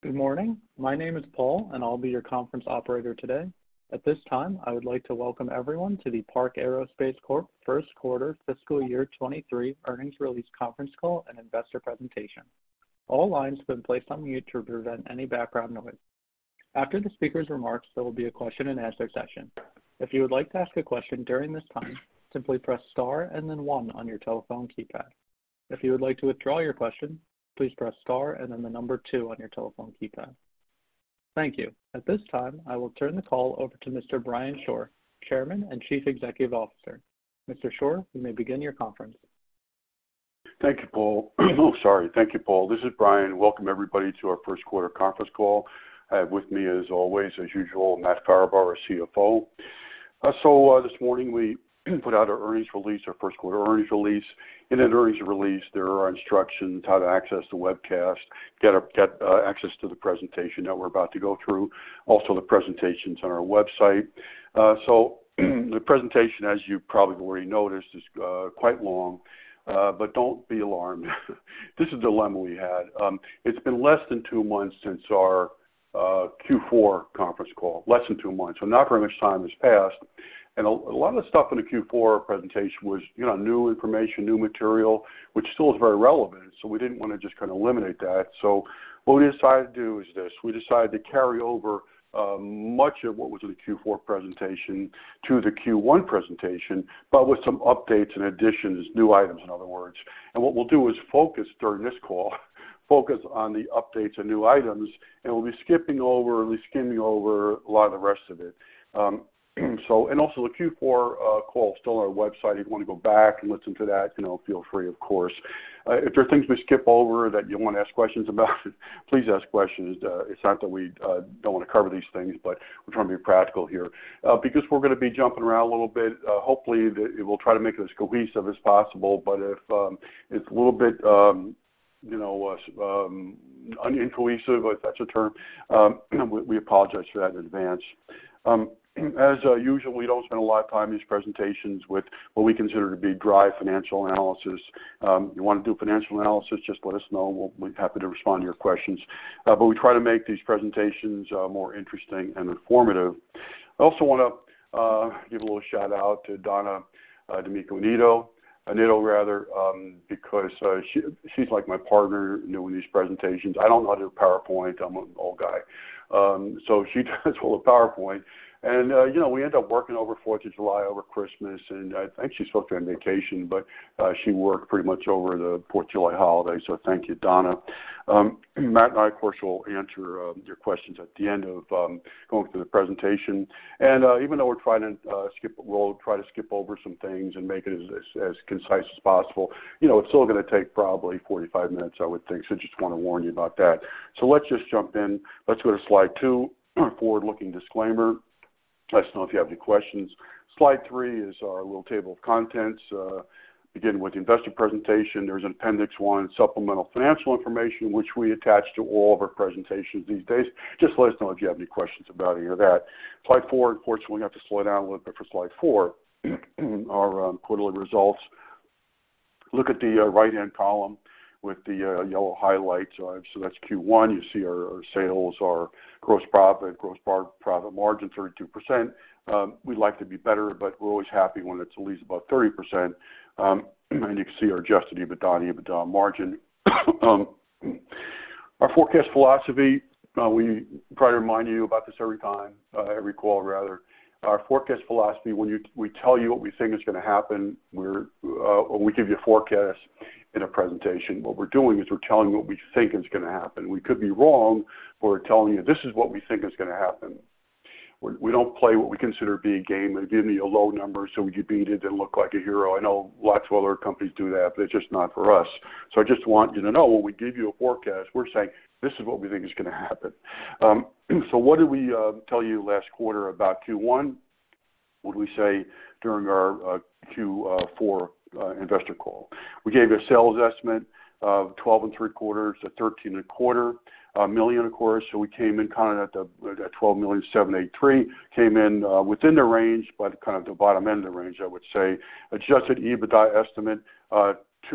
Good morning. My name is Paul, and I'll be your conference operator today. At this time, I would like to welcome everyone to the Park Aerospace Corp First Quarter Fiscal Year 2023 Earnings Release Conference Call and Investor Presentation. All lines have been placed on mute to prevent any background noise. After the speaker's remarks, there will be a question-and-answer session. If you would like to ask a question during this time, simply press star and then one on your telephone keypad. If you would like to withdraw your question, please press star and then the number two on your telephone keypad. Thank you. At this time, I will turn the call over to Mr. Brian Shore, Chairman and Chief Executive Officer. Mr. Shore, you may begin your conference. Thank you, Paul. Oh, sorry. Thank you, Paul. This is Brian. Welcome, everybody, to our first quarter conference call. I have with me, as always, as usual, Matt Farabaugh, our CFO. So, this morning we put out our earnings release, our first quarter earnings release. In that earnings release, there are instructions how to access the webcast, get access to the presentation that we're about to go through. Also, the presentation's on our website. So the presentation, as you probably already noticed, is quite long, but don't be alarmed. This is a dilemma we had. It's been less than two months since our Q4 conference call. Less than two months, so not very much time has passed. A lot of the stuff in the Q4 presentation was, you know, new information, new material, which still is very relevant, so we didn't wanna just kinda eliminate that. What we decided to do is this: We decided to carry over much of what was in the Q4 presentation to the Q1 presentation, but with some updates and additions, new items in other words. What we'll do is focus during this call, focus on the updates and new items, and we'll be skipping over or at least skimming over a lot of the rest of it. Also, the Q4 call is still on our website. If you wanna go back and listen to that, you know, feel free, of course. If there are things we skip over that you wanna ask questions about, please ask questions. It's not that we don't wanna cover these things, but we're trying to be practical here. Because we're gonna be jumping around a little bit, hopefully, we'll try to make it as cohesive as possible, but if it's a little bit you know, incohesive, if that's a term, we apologize for that in advance. As usual, we don't spend a lot of time in these presentations with what we consider to be dry financial analysis. You wanna do financial analysis, just let us know, and we're happy to respond to your questions. We try to make these presentations more interesting and informative. I also wanna give a little shout-out to Donna D'Amico-Annitto, Annitto rather, because she's like my partner, you know, in these presentations. I don't know how to do PowerPoint. I'm an old guy. She does all the PowerPoint. You know, we end up working over Fourth of July, over Christmas, and I think she's supposed to be on vacation, but she worked pretty much over the Fourth of July holiday, so thank you, Donna. Matt and I, of course, will answer your questions at the end of going through the presentation. Even though we're trying to, we'll try to skip over some things and make it as concise as possible, you know, it's still gonna take probably 45 minutes, I would think, so just wanna warn you about that. Let's just jump in. Let's go to slide two, forward-looking disclaimer. Let us know if you have any questions. Slide three is our little table of contents. Beginning with investor presentation, there's Appendix 1, Supplemental Financial Information, which we attach to all of our presentations these days. Just let us know if you have any questions about any of that. Slide four, unfortunately, we have to slow down a little bit for slide four, our quarterly results. Look at the right-hand column with the yellow highlights. So that's Q1. You see our sales, our gross profit, gross profit margin, 32%. We'd like to be better, but we're always happy when it's at least above 30%. And you can see our adjusted EBITDA margin. Our forecast philosophy, we try to remind you about this every time, every call rather. Our forecast philosophy, when you, we tell you what we think is gonna happen. When we give you a forecast in a presentation, what we're doing is we're telling you what we think is gonna happen. We could be wrong, but we're telling you, "This is what we think is gonna happen." We don't play what we consider to be a game of give me a low number, so we can beat it and look like a hero. I know lots of other companies do that, but it's just not for us. I just want you to know when we give you a forecast, we're saying, "This is what we think is gonna happen." What did we tell you last quarter about Q1? What did we say during our Q4 investor call? We gave you a sales estimate of $12.75 million-$13.25 million, of course. We came in kind of at $12.783 million. Came in within the range, but kind of the bottom end of the range, I would say. Adjusted EBITDA estimate $2.75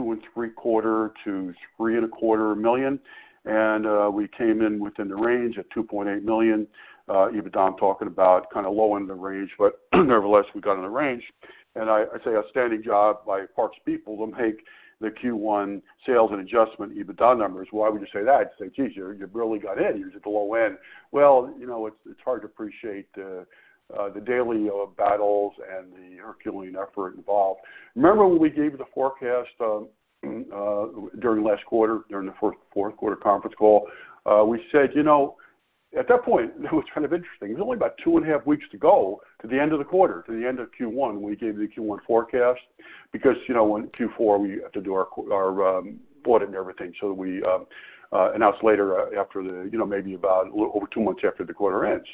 million-$3.25 million, and we came in within the range at $2.8 million. EBITDA, I'm talking about kind of low end of the range, but nevertheless, we got in the range. I say outstanding job by Park's people to make the Q1 sales and adjusted EBITDA numbers. Why would you say that? You'd say, "Geez, you barely got in. You was at the low end." Well, you know, it's hard to appreciate the daily battles and the Herculean effort involved. Remember when we gave the forecast during last quarter, during the fourth quarter conference call? We said, you know, at that point, it was kind of interesting. It was only about two and a half weeks to go to the end of the quarter, to the end of Q1 when we gave the Q1 forecast. Because, you know, in Q4, we have to do our auditing and everything, so we announce later, after the, you know, maybe about a little over two months after the quarter ends.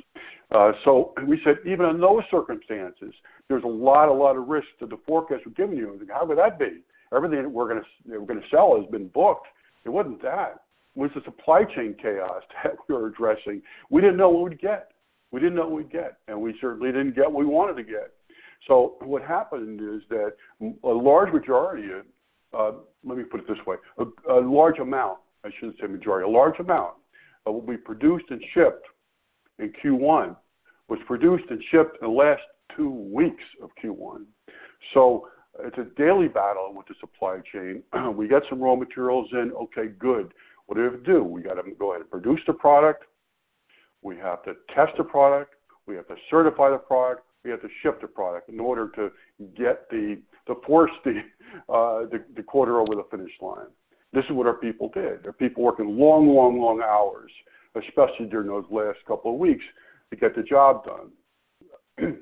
We said, "Even in those circumstances, there's a lot of risk to the forecast we're giving you." How would that be? Everything we're gonna sell has been booked. It wasn't that. It was the supply chain chaos that we were addressing. We didn't know what we'd get, and we certainly didn't get what we wanted to get. What happened is that a large majority of, let me put it this way, a large amount, I shouldn't say majority, a large amount of what we produced and shipped in Q1 was produced and shipped in the last two weeks of Q1. It's a daily battle with the supply chain. We get some raw materials in, okay, good. What do we have to do? We gotta go ahead and produce the product. We have to test the product. We have to certify the product. We have to ship the product in order to get the, to force the quarter over the finish line. This is what our people did. They are people working long hours, especially during those last couple of weeks, to get the job done,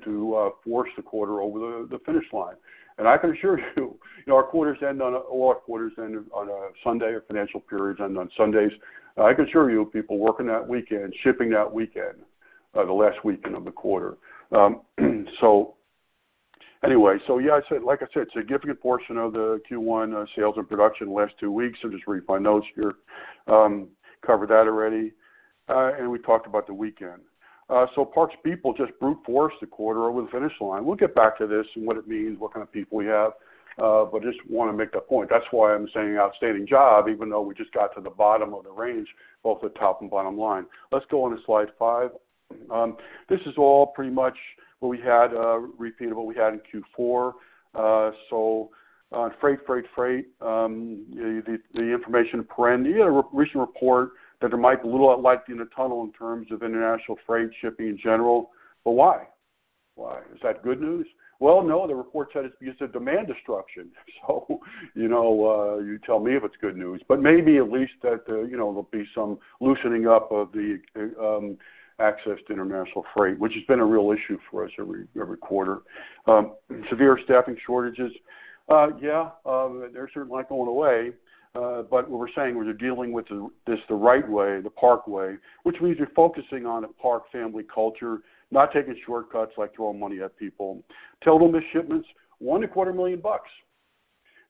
to force the quarter over the finish line. I can assure you, our quarters end on a Sunday. A lot of quarters end on a Sunday or financial periods end on Sundays. I can assure you, people working that weekend, shipping that weekend, the last weekend of the quarter. Like I said, significant portion of the Q1 sales and production last two weeks. I'm just reading my notes here. Covered that already. We talked about the weekend. Park's people just brute forced the quarter over the finish line. We'll get back to this and what it means, what kind of people we have, but just wanna make that point. That's why I'm saying outstanding job, even though we just got to the bottom of the range, both the top and bottom line. Let's go on to slide five. This is all pretty much what we had, repeatable, we had in Q4. Freight, the information per end. We had a recent report that there might be a little light in the tunnel in terms of international freight shipping in general. Why? Is that good news? Well, no, the report said it's a demand destruction. You know, you tell me if it's good news, but maybe at least that, you know, there'll be some loosening up of the access to international freight, which has been a real issue for us every quarter. Severe staffing shortages. Yeah, they're certainly not going away. What we're saying, we're dealing with this the right way, the Park way, which means you're focusing on a Park family culture, not taking shortcuts like throwing money at people. Total missed shipments, one and a quarter million bucks.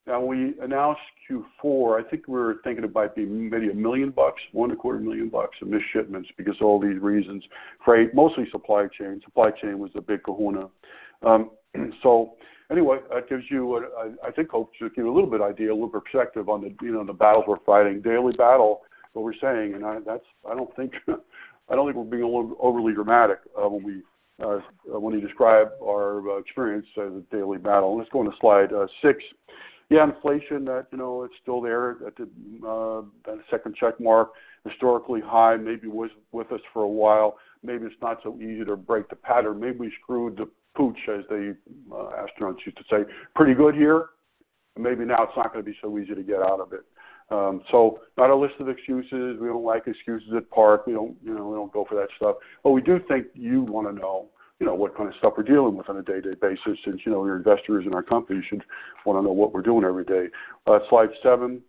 Now, we announced Q4, I think we were thinking it might be maybe a million bucks, one and a quarter million bucks of missed shipments because all these reasons. Freight, mostly supply chain. Supply chain was the big kahuna. That gives you what I think helps give you a little bit idea, a little perspective on the, you know, the battles we're fighting. Daily battle, what we're saying. I don't think we're being a little overly dramatic when we describe our experience as a daily battle. Let's go on to slide six. Yeah, inflation, you know, it's still there. That second check mark. Historically high, maybe was with us for a while. Maybe it's not so easy to break the pattern. Maybe we screwed the pooch, as the astronauts used to say. Pretty good here. Maybe now it's not gonna be so easy to get out of it. Not a list of excuses. We don't like excuses at Park. We don't, you know, we don't go for that stuff. We do think you wanna know, you know, what kind of stuff we're dealing with on a day-to-day basis since, you know, you're investors in our company, you should wanna know what we're doing every day. Slide seven.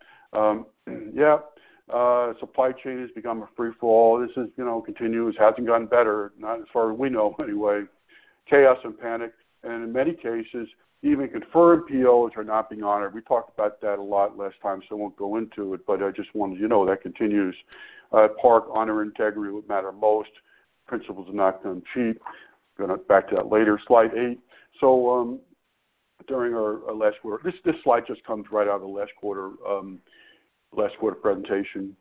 Supply chain has become a free-for-all. This is, you know, continuous. Hasn't gotten better, not as far as we know anyway. Chaos and panic, and in many cases, even confirmed POs are not being honored. We talked about that a lot last time, so I won't go into it, but I just wanted you to know that continues. At Park, honor, integrity would matter most. Principles are not gonna cheap. Gonna back to that later. Slide eight. During our last quarter. This slide just comes right out of the last quarter presentation,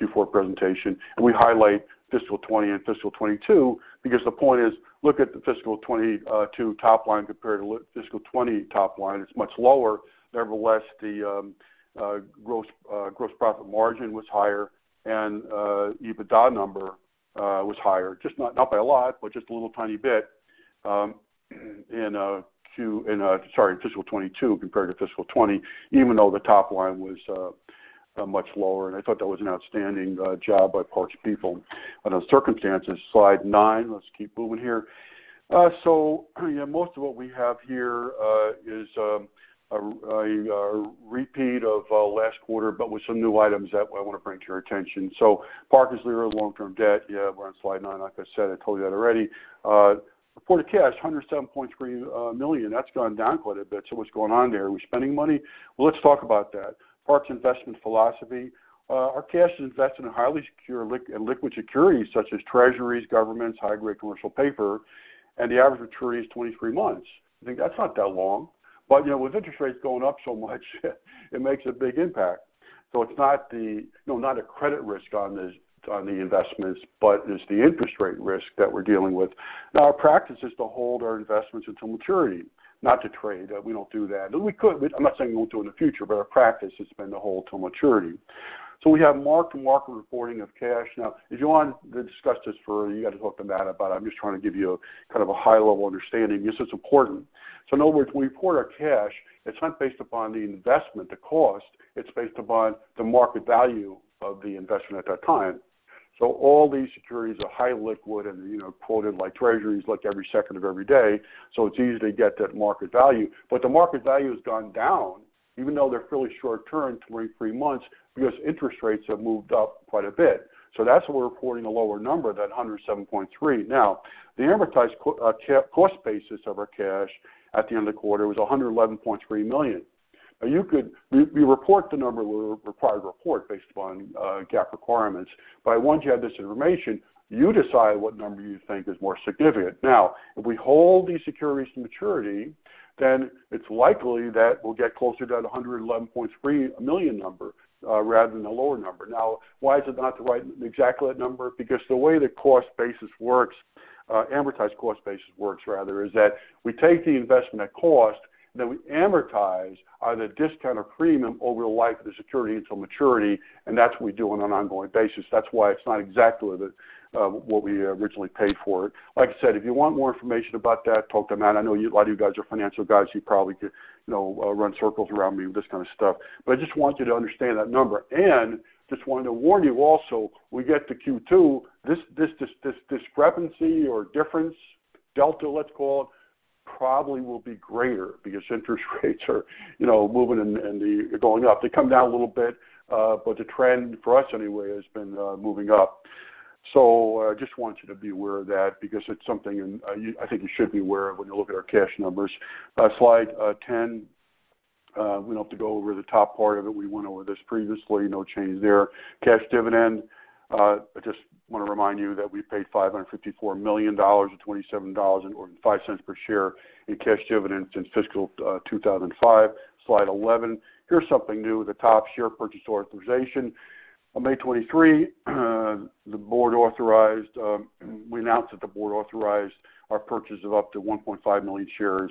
Q4 presentation. We highlight fiscal 2020 and fiscal 2022 because the point is, look at the fiscal 2022 top line compared to fiscal 2020 top line. It's much lower. Nevertheless, the gross profit margin was higher and EBITDA number was higher, just not by a lot, but just a little tiny bit in fiscal 2022 compared to fiscal 2020, even though the top line was much lower. I thought that was an outstanding job by Park's people under the circumstances. Slide nine. Let's keep moving here. Most of what we have here is a repeat of last quarter, but with some new items that I wanna bring to your attention. Park is clear of long-term debt. Yeah, we're on slide nine, like I said, I told you that already. Reported cash, $107.3 million. That's gone down quite a bit. What's going on there? Are we spending money? Well, let's talk about that. Park's investment philosophy. Our cash is invested in highly secure liquid securities such as treasuries, governments, high-grade commercial paper, and the average maturity is 23 months. I think that's not that long. You know, with interest rates going up so much, it makes a big impact. It's not a credit risk on this, on the investments, but it's the interest rate risk that we're dealing with. Now, our practice is to hold our investments until maturity, not to trade. We don't do that. We could. I'm not saying we won't do in the future, but our practice has been to hold till maturity. We have mark-to-market reporting of cash. Now, if you want to discuss this further, you got to talk to Matt about it. I'm just trying to give you kind of a high-level understanding. This is important. In other words, we report our cash, it's not based upon the investment, the cost, it's based upon the market value of the investment at that time. All these securities are highly liquid and, you know, quoted like treasuries, like every second of every day. It's easy to get that market value. The market value has gone down, even though they're fairly short-term, 23 months, because interest rates have moved up quite a bit. That's why we're reporting a lower number, that $107.3. The amortized cost basis of our cash at the end of the quarter was $111.3 million. We report the number we're required to report based upon GAAP requirements. But once you have this information, you decide what number you think is more significant. If we hold these securities to maturity, then it's likely that we'll get closer to that $111.3 million number, rather than the lower number. Why is it not exactly that number? Because the way the amortized cost basis works, rather, is that we take the investment at cost, then we amortize either discount or premium over the life of the security until maturity, and that's what we do on an ongoing basis. That's why it's not exactly the what we originally paid for it. Like I said, if you want more information about that, talk to Matt. I know you a lot of you guys are financial guys, you probably could, you know, run circles around me with this kind of stuff. But I just want you to understand that number. Just wanted to warn you also, we get to Q2, this discrepancy or difference, delta, let's call it, probably will be greater because interest rates are, you know, moving and the going up. They come down a little bit, but the trend for us anyway, has been moving up. Just want you to be aware of that because it's something and you I think you should be aware of when you look at our cash numbers. Slide 10. We don't have to go over the top part of it. We went over this previously. No change there. Cash dividend, I just wanna remind you that we paid $554 million or $27.05 per share in cash dividends in fiscal 2005. Slide 11. Here's something new, the stock purchase authorization. On May 23, the board authorized. We announced that the board authorized our purchase of up to 1.5 million shares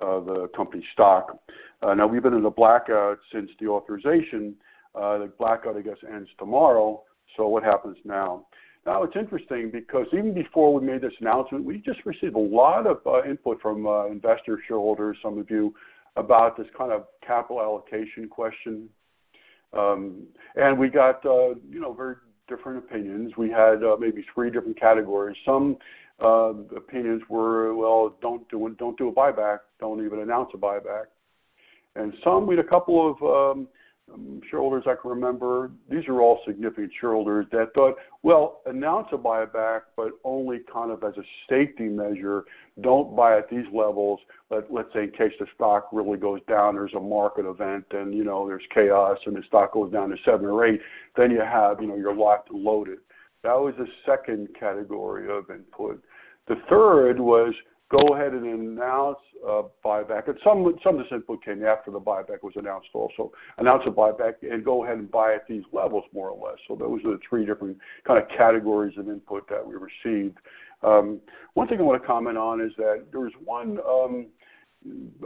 of the company's stock. Now we've been in a blackout since the authorization. The blackout, I guess, ends tomorrow. What happens now? Now it's interesting because even before we made this announcement, we just received a lot of input from investors, shareholders, some of you, about this kind of capital allocation question. We got you know very different opinions. We had maybe three different categories. Some opinions were well don't do it. Don't do a buyback. Don't even announce a buyback. Some we had a couple of shareholders I can remember these are all significant shareholders that thought "Well announce a buyback but only kind of as a safety measure. Don't buy at these levels but let's say in case the stock really goes down there's a market event and you know there's chaos and the stock goes down to 7% or 8% then you have you know you're locked and loaded." That was the second category of input. The third was go ahead and announce a buyback. Some of this input came after the buyback was announced also. Announce a buyback and go ahead and buy at these levels more or less. Those are the three different kind of categories of input that we received. One thing I wanna comment on is that there was one,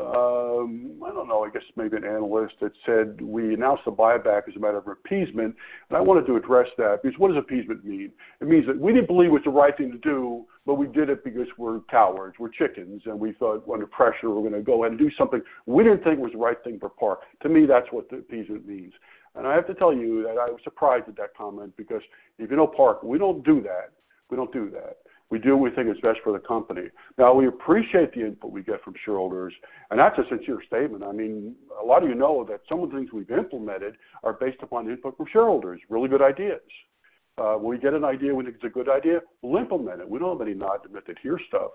I guess maybe an analyst that said we announced the buyback as a matter of appeasement, and I wanted to address that because what does appeasement mean? It means that we didn't believe it was the right thing to do, but we did it because we're cowards, we're chickens, and we felt under pressure, we're gonna go and do something we didn't think was the right thing for Park. To me, that's what appeasement means. I have to tell you that I was surprised at that comment because if you know Park, we don't do that. We don't do that. We do what we think is best for the company. Now, we appreciate the input we get from shareholders, and that's a sincere statement. I mean, a lot of you know that some of the things we've implemented are based upon input from shareholders, really good ideas. When we get an idea, when it's a good idea, we'll implement it. We don't have any not invented here stuff.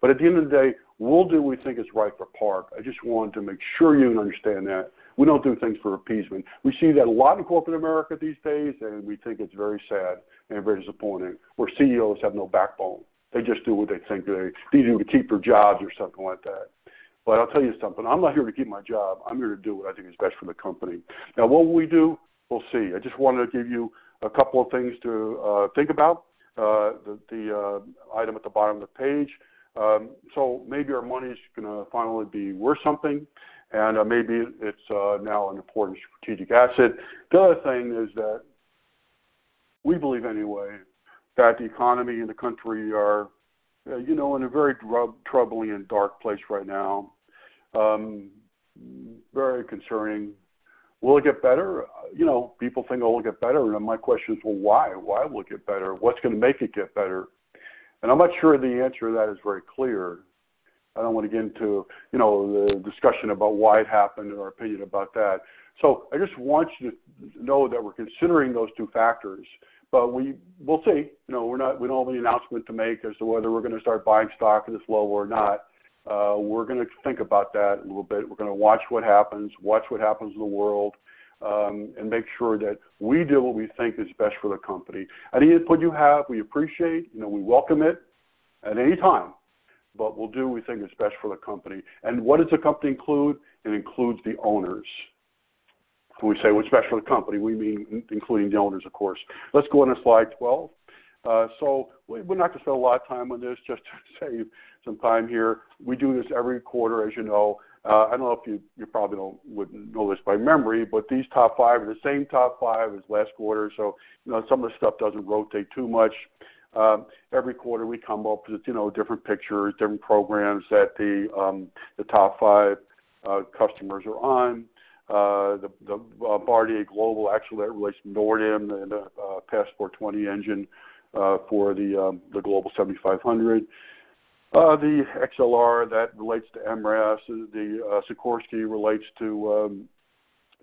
But at the end of the day, we'll do what we think is right for Park. I just want to make sure you understand that we don't do things for appeasement. We see that a lot in corporate America these days, and we think it's very sad and very disappointing, where CEOs have no backbone. They just do what they think they need to do to keep their jobs or something like that. But I'll tell you something, I'm not here to keep my job. I'm here to do what I think is best for the company. Now, what will we do? We'll see. I just wanted to give you a couple of things to think about. The item at the bottom of the page. So maybe our money's gonna finally be worth something, and maybe it's now an important strategic asset. The other thing is that we believe anyway, that the economy and the country are, you know, in a very troubling and dark place right now. Very concerning. Will it get better? You know, people think, "Oh, it'll get better." My question is, well, why? Why will it get better? What's gonna make it get better? I'm not sure the answer to that is very clear. I don't wanna get into, you know, the discussion about why it happened or our opinion about that. So I just want you to know that we're considering those two factors, but we'll see. You know, we don't have any announcement to make as to whether we're gonna start buying stock if it's low or not. We're gonna think about that a little bit. We're gonna watch what happens in the world, and make sure that we do what we think is best for the company. Any input you have, we appreciate, you know, we welcome it at any time, but we'll do what we think is best for the company. What does the company include? It includes the owners. When we say what's best for the company, we mean including the owners, of course. Let's go on to slide 12. We're not gonna spend a lot of time on this, just to save some time here. We do this every quarter, as you know. I don't know if you would know this by memory, but these top five are the same top five as last quarter. You know, some of the stuff doesn't rotate too much. Every quarter we come up with, you know, different pictures, different programs that the top five customers are on. The Bombardier Global, actually that relates to NORDAM and Passport 20 engine for the Global 7500. The XLR that relates to MRAS. The Sikorsky relates to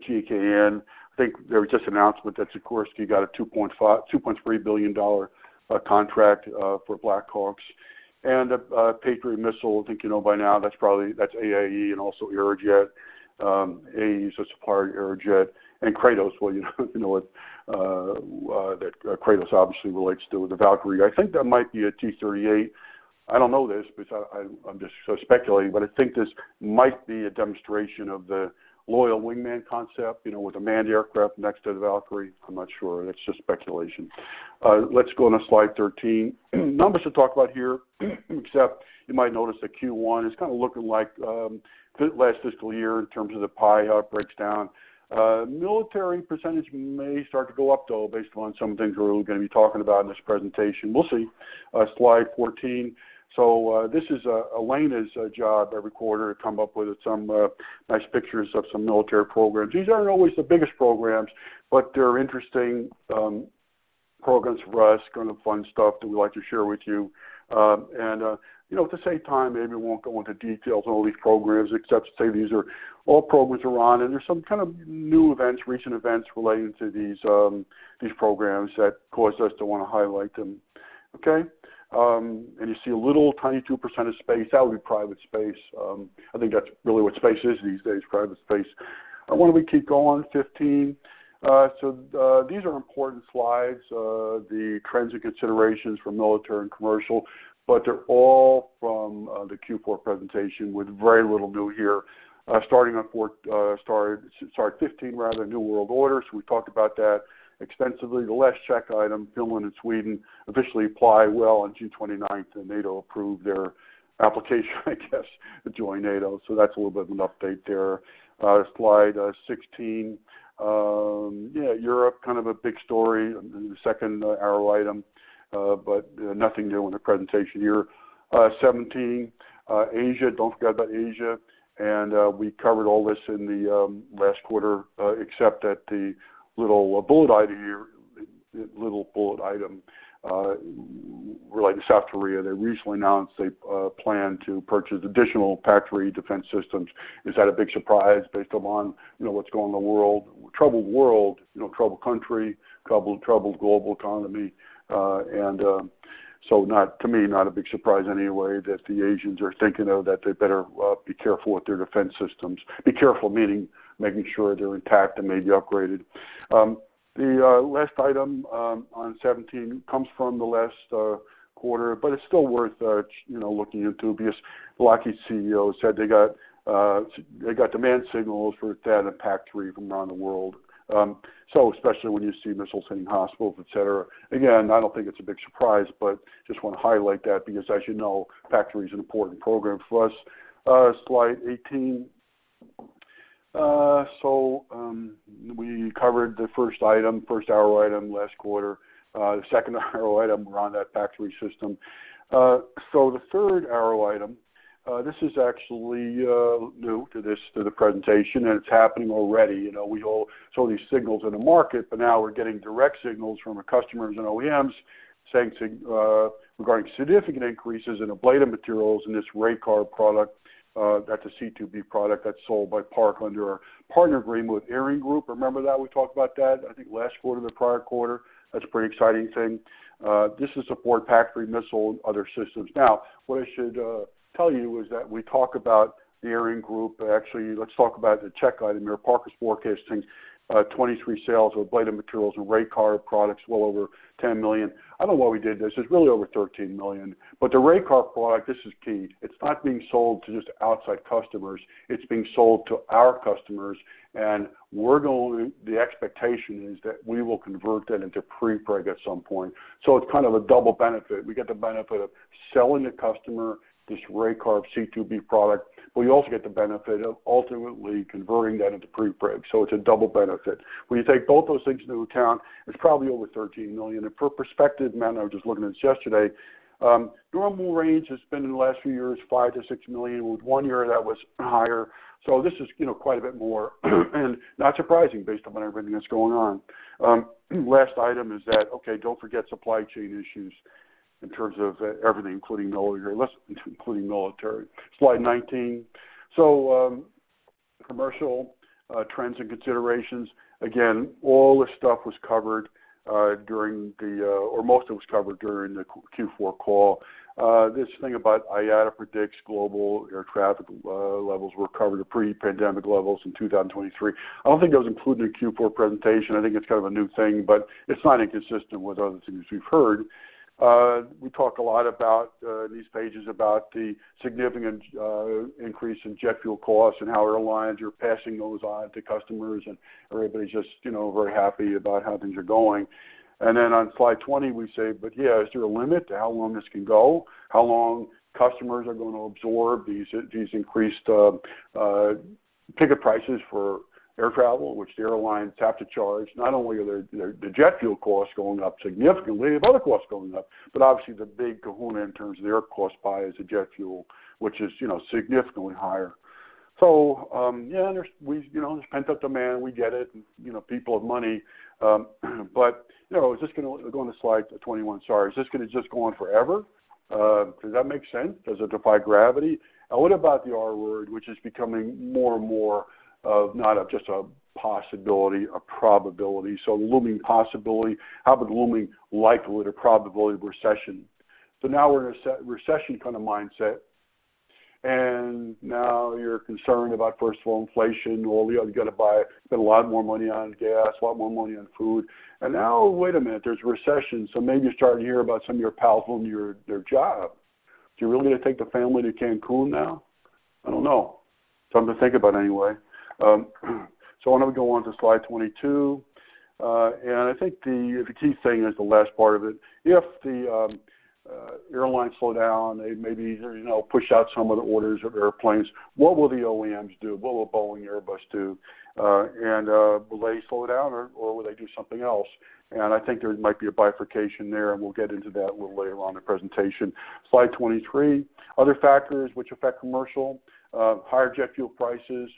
UH-60. I think there was just an announcement that Sikorsky got a $2.3 billion contract for Black Hawks. Patriot missile, I think you know by now that's probably AAE and also Aerojet. AAE is a supplier to Aerojet. Kratos, well, you know what, that Kratos obviously relates to the Valkyrie. I think that might be a T-38. I don't know this because I'm just speculating, but I think this might be a demonstration of the loyal wingman concept, you know, with a manned aircraft next to the Valkyrie. I'm not sure. That's just speculation. Let's go on to slide 13. Numbers to talk about here, except you might notice that Q1 is kind of looking like the last fiscal year in terms of the pie, how it breaks down. Military percentage may start to go up, though, based on some things we're gonna be talking about in this presentation. We'll see. Slide 14. This is Elena's job every quarter to come up with some nice pictures of some military programs. These aren't always the biggest programs, but they're interesting programs for us, kind of fun stuff that we like to share with you. You know, at the same time, maybe we won't go into details on all these programs except to say these are all programs we're on, and there's some kind of new events, recent events relating to these programs that cause us to wanna highlight them. Okay. You see a little tiny 2% of space. That would be private space. I think that's really what space is these days, private space. Why don't we keep going, 15. These are important slides, the trends and considerations for military and commercial, but they're all from the Q4 presentation with very little new here. Starting on 15 rather, New World Order. We talked about that extensively. The last check item, Finland and Sweden officially apply, well, on June 29th, NATO approved their application, I guess, to join NATO. That's a little bit of an update there. Slide 16. Yeah, Europe kind of a big story in the second arrow item, but nothing new in the presentation here. 17, Asia. Don't forget about Asia. We covered all this in the last quarter, except that the little bullet item here relating to South Korea. They recently announced a plan to purchase additional PAC-3 defense systems. Is that a big surprise based upon, you know, what's going on in the world? Troubled world, you know, troubled country, troubled global economy. Not to me, not a big surprise anyway that the Asians are thinking, oh, that they better be careful with their defense systems. Be careful meaning making sure they're intact and maybe upgraded. The last item on 17 comes from the last quarter, but it's still worth, you know, looking into because the Lockheed CEO said they got demand signals for THAAD and PAC-3 from around the world. Especially when you see missiles hitting hospitals, et cetera. Again, I don't think it's a big surprise, but just wanna highlight that because as you know, PAC-3 is an important program for us. Slide 18. We covered the first arrow item last quarter. The second arrow item around that PAC-3 system. The third arrow item, this is actually new to this, to the presentation, and it's happening already. You know, we all saw these signals in the market, but now we're getting direct signals from our customers and OEMs saying, regarding significant increases in ablative materials in this Raycarb product. That's a C2B product that's sold by Park under our partner agreement with ArianeGroup. Remember that? We talked about that, I think last quarter, the prior quarter. That's a pretty exciting thing. This is to support PAC-3 missile and other systems. What I should tell you is that we talk about the ArianeGroup. Actually, let's talk about the check item there. Park is forecasting 2023 sales of ablative materials and Raycarb products, well over $10 million. I don't know why we did this. It's really over $13 million. The Raycarb product, this is key. It's not being sold to just outside customers. It's being sold to our customers. The expectation is that we will convert that into prepreg at some point. It's kind of a double benefit. We get the benefit of selling the customer this Raycarb C2B product, but we also get the benefit of ultimately converting that into prepreg. It's a double benefit. When you take both those things into account, it's probably over $13 million. For perspective, man, I was just looking at this yesterday, normal range has been in the last few years, $5 million-$6 million, with one year that was higher. This is, you know, quite a bit more and not surprising based upon everything that's going on. Last item is that, okay, don't forget supply chain issues in terms of, everything, including military. Slide 19. Commercial trends and considerations. Again, all this stuff was covered, or most of it was covered during the Q4 call. This thing about IATA predicts global air traffic levels will recover to pre-pandemic levels in 2023. I don't think that was included in the Q4 presentation. I think it's kind of a new thing, but it's not inconsistent with other things we've heard. We talk a lot about these pages about the significant increase in jet fuel costs and how airlines are passing those on to customers, and everybody's just, you know, very happy about how things are going. On slide 20, we say, but yeah, is there a limit to how long this can go? How long customers are gonna absorb these increased ticket prices for air travel, which the airlines have to charge, not only are the jet fuel costs going up significantly, but other costs going up. But obviously, the big kahuna in terms of the air cost by is the jet fuel, which is, you know, significantly higher. There's pent-up demand. We get it, you know, people have money. You know, is this gonna go on the slide 21. Sorry. Is this gonna just go on forever? Does that make sense? Does it defy gravity? What about the R word, which is becoming more and more not just a possibility, a probability, so a looming possibility. How about a looming likelihood or probability of recession? Now we're in a recession kind of mindset, and now you're concerned about, first of all, inflation. Well, you know, you got to buy. Spend a lot more money on gas, a lot more money on food. Now, wait a minute, there's recession, so maybe you're starting to hear about some of your pals losing their job. Do you really want to take the family to Cancun now? I don't know. Something to think about anyway. Why don't we go on to slide 22. I think the key thing is the last part of it. If the airlines slow down, they maybe, you know, push out some of the orders of airplanes, what will the OEMs do? What will Boeing and Airbus do? Will they slow down or will they do something else? I think there might be a bifurcation there, and we'll get into that a little later on in the presentation. Slide 23. Other factors which affect commercial. Higher jet fuel prices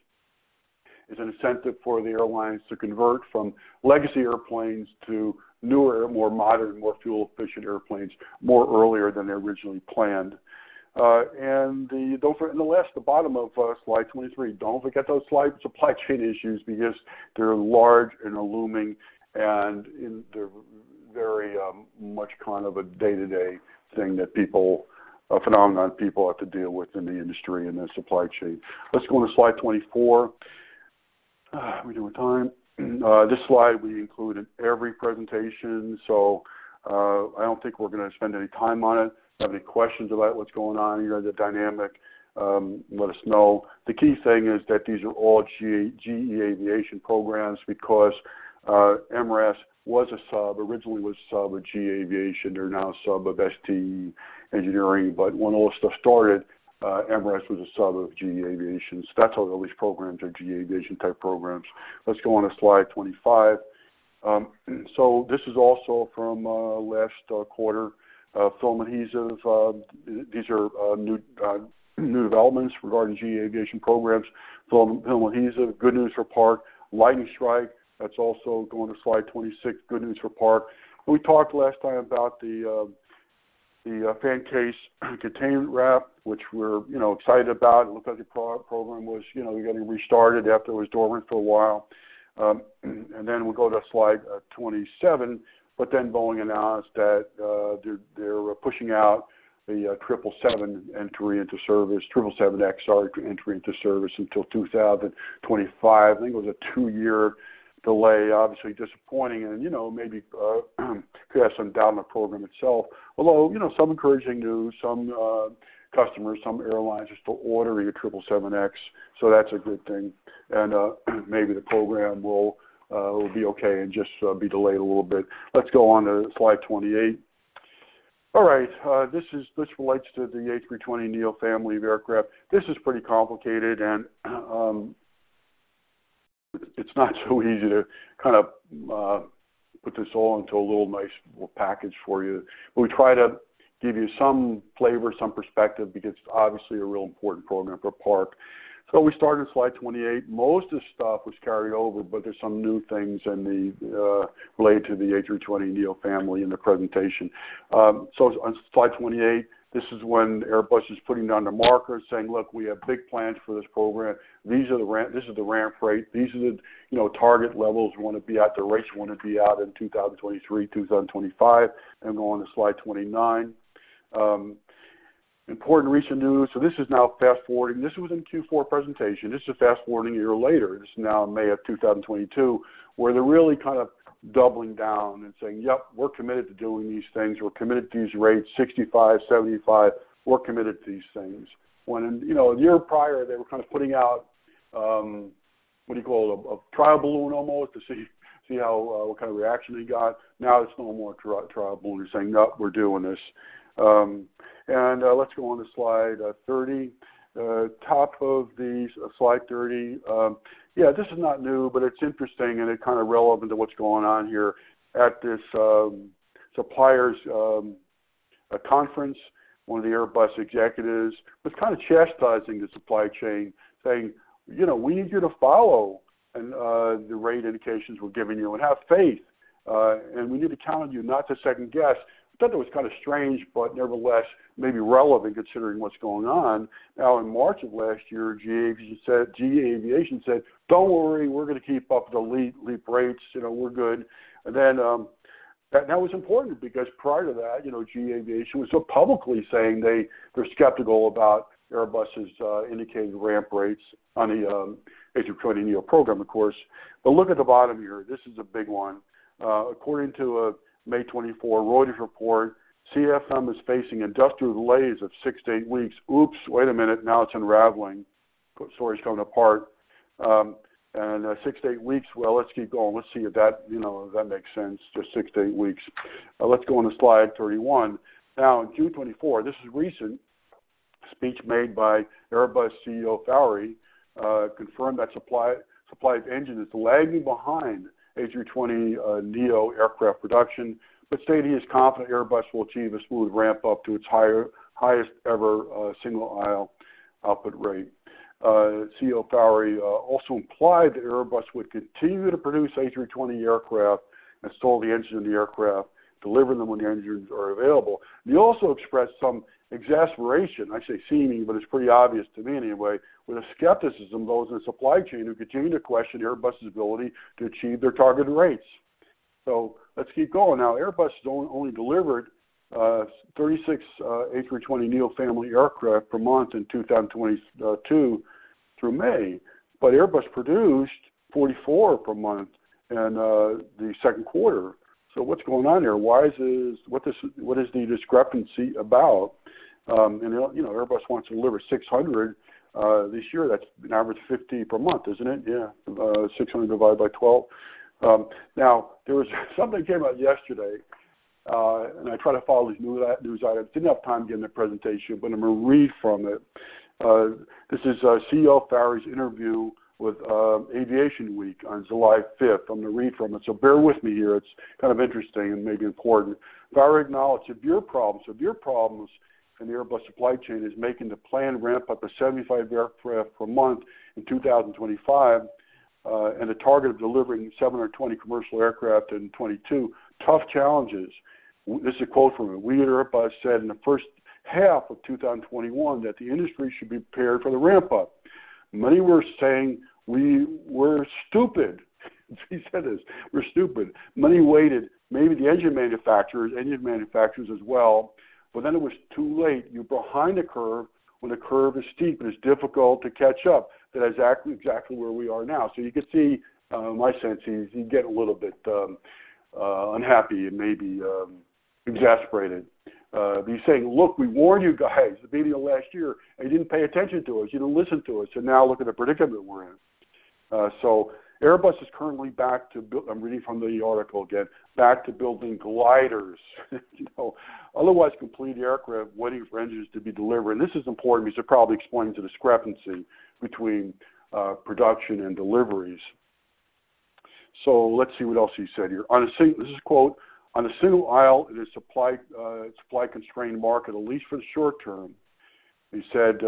is an incentive for the airlines to convert from legacy airplanes to newer, more modern, more fuel-efficient airplanes, much earlier than they originally planned. The last, the bottom of slide 23, don't forget those supply chain issues because they're large and are looming. They're very much kind of a day-to-day thing, a phenomenon people have to deal with in the industry and the supply chain. Let's go on to slide 24. How we doing on time? This slide we include in every presentation, so I don't think we're gonna spend any time on it. If you have any questions about what's going on here, the dynamic, let us know. The key thing is that these are all GE Aviation programs because MRAS was a sub, originally was a sub of GE Aviation. They're now a sub of ST Engineering. When all this stuff started, MRAS was a sub of GE Aviation. That's why all these programs are GE Aviation type programs. Let's go on to slide 25. This is also from last quarter, film adhesives. These are new developments regarding GE Aviation programs. Film adhesive, good news for Park. Lightning strike, that's also going to slide 26, good news for Park. We talked last time about the fan case containment wrap, which we're, you know, excited about. It looked like the program was, you know, getting restarted after it was dormant for a while. Then we go to slide 27. Boeing announced that they're pushing out the 777 entry into service, 777X, sorry, entry into service until 2025. I think it was a two-year delay, obviously disappointing. You know, maybe could have some doubt in the program itself. Although, you know, some encouraging news, some customers, some airlines are still ordering a 777X, so that's a good thing. Maybe the program will be okay and just be delayed a little bit. Let's go on to slide 28. All right, this relates to the A320neo family of aircraft. This is pretty complicated, and it's not so easy to kind of put this all into a little nice little package for you. We try to give you some flavor, some perspective, because it's obviously a real important program for Park. We start on slide 28. Most of the stuff was carried over, but there's some new things in the related to the A320neo family in the presentation. On slide 28, this is when Airbus is putting down the markers saying, "Look, we have big plans for this program. This is the ramp rate. These are the, you know, target levels we want to be at, the rates we want to be at in 2023, 2025." Go on to slide 29. Important recent news. This is now fast-forwarding. This was in Q4 presentation. This is fast-forwarding a year later. This is now May of 2022, where they're really kind of doubling down and saying, "Yep, we're committed to doing these things. We're committed to these rates, 65, 75. We're committed to these things." When, you know, a year prior, they were kind of putting out, what do you call it, a trial balloon almost to see how what kind of reaction they got. Now it's no more trial balloon. They're saying, "Nope, we're doing this." Let's go on to slide 30. Top of the slide 30, yeah, this is not new, but it's interesting, and it kind of relevant to what's going on here. At this suppliers conference, one of the Airbus executives was kind of chastising the supply chain, saying, "You know, we need you to follow the rate indications we're giving you and have faith, and we need to challenge you not to second-guess." I thought that was kind of strange, but nevertheless, maybe relevant considering what's going on. Now, in March of last year, GE Aviation said, "Don't worry, we're gonna keep up the LEAP rates, you know, we're good." That was important because prior to that, you know, GE Aviation was so publicly saying they're skeptical about Airbus's indicated ramp rates on the A320neo program, of course. Look at the bottom here. This is a big one. According to a May 2024 Reuters report, CFM is facing industrial delays of six to eight weeks. Now it's unraveling. Story's coming apart. Six to eight weeks, well, let's keep going. Let's see if that, you know, if that makes sense, just six to eight weeks. Let's go on to slide 31. Now, in June 2024, this is recent speech made by Airbus CEO Faury confirmed that supply of engine is lagging behind A320neo aircraft production, but stated he is confident Airbus will achieve a smooth ramp up to its higher, highest ever single aisle output rate. CEO Faury also implied that Airbus would continue to produce A320 aircraft and install the engine in the aircraft, delivering them when the engines are available. He also expressed some exasperation, I say seeming, but it's pretty obvious to me anyway, with a skepticism those in the supply chain who continue to question Airbus's ability to achieve their targeted rates. Let's keep going. Now, Airbus has only delivered 36 A320neo family aircraft per month in 2022 through May, but Airbus produced 44 per month in the second quarter. What's going on here? What is the discrepancy about? You know, Airbus wants to deliver 600 this year. That's an average of 50 per month, isn't it? Yeah, 600 divided by 12. Now there was something that came out yesterday, and I try to follow these news items. Didn't have time to get in the presentation, but I'm gonna read from it. This is CEO Faury's interview with Aviation Week on July 5th. I'm gonna read from it, so bear with me here. It's kind of interesting and maybe important. Faury acknowledged severe problems. Severe problems in the Airbus supply chain is making the planned ramp up to 75 aircraft per month in 2025, and a target of delivering 720 commercial aircraft in 2022. Tough challenges. This is a quote from him, "We at Airbus said in the first half of 2021 that the industry should be prepared for the ramp up. Many were saying we were stupid." He said this, "We're stupid. Many waited. Maybe the engine manufacturers as well, but then it was too late. You're behind the curve. When the curve is steep, it is difficult to catch up." That's exactly where we are now. You can see my sense is he'd get a little bit unhappy and maybe exasperated. He's saying, "Look, we warned you guys at the beginning of last year, and you didn't pay attention to us. You didn't listen to us, and now look at the predicament we're in." Airbus is currently back to—I'm reading from the article again, back to building gliders, you know, otherwise completing aircraft waiting for engines to be delivered. This is important because it probably explains the discrepancy between production and deliveries. Let's see what else he said here. This is a quote, "On a single aisle, it is supply-constrained market, at least for the short term." He said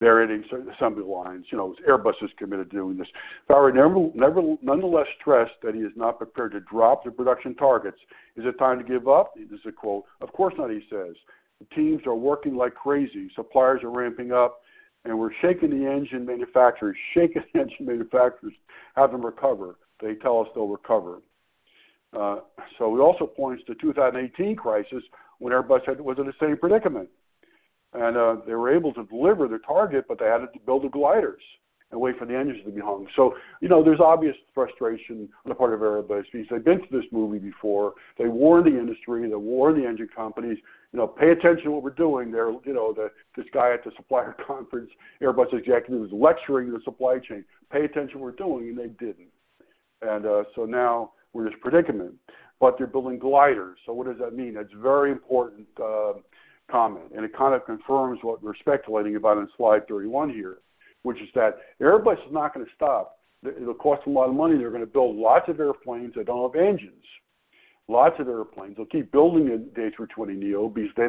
they're adding some assembly lines. You know, Airbus is committed to doing this. Faury nonetheless stressed that he is not prepared to drop their production targets. "Is it time to give up?" This is a quote. "Of course not," he says. "The teams are working like crazy. Suppliers are ramping up, and we're shaking the engine manufacturers, have them recover. They tell us they'll recover." So he also points to 2018 crisis when Airbus was in the same predicament. They were able to deliver their target, but they had to build the gliders and wait for the engines to be hung. You know, there's obvious frustration on the part of Airbus because they've been through this movie before. They warned the industry. They warned the engine companies. You know, pay attention to what we're doing. You know, this guy at the supplier conference, Airbus executive, was lecturing the supply chain, "Pay attention to what we're doing," and they didn't. Now we're in this predicament, but they're building gliders. What does that mean? That's a very important comment, and it kind of confirms what we're speculating about on slide 31 here, which is that Airbus is not gonna stop. It'll cost them a lot of money. They're gonna build lots of airplanes that don't have engines. Lots of airplanes. They'll keep building the A320neo because they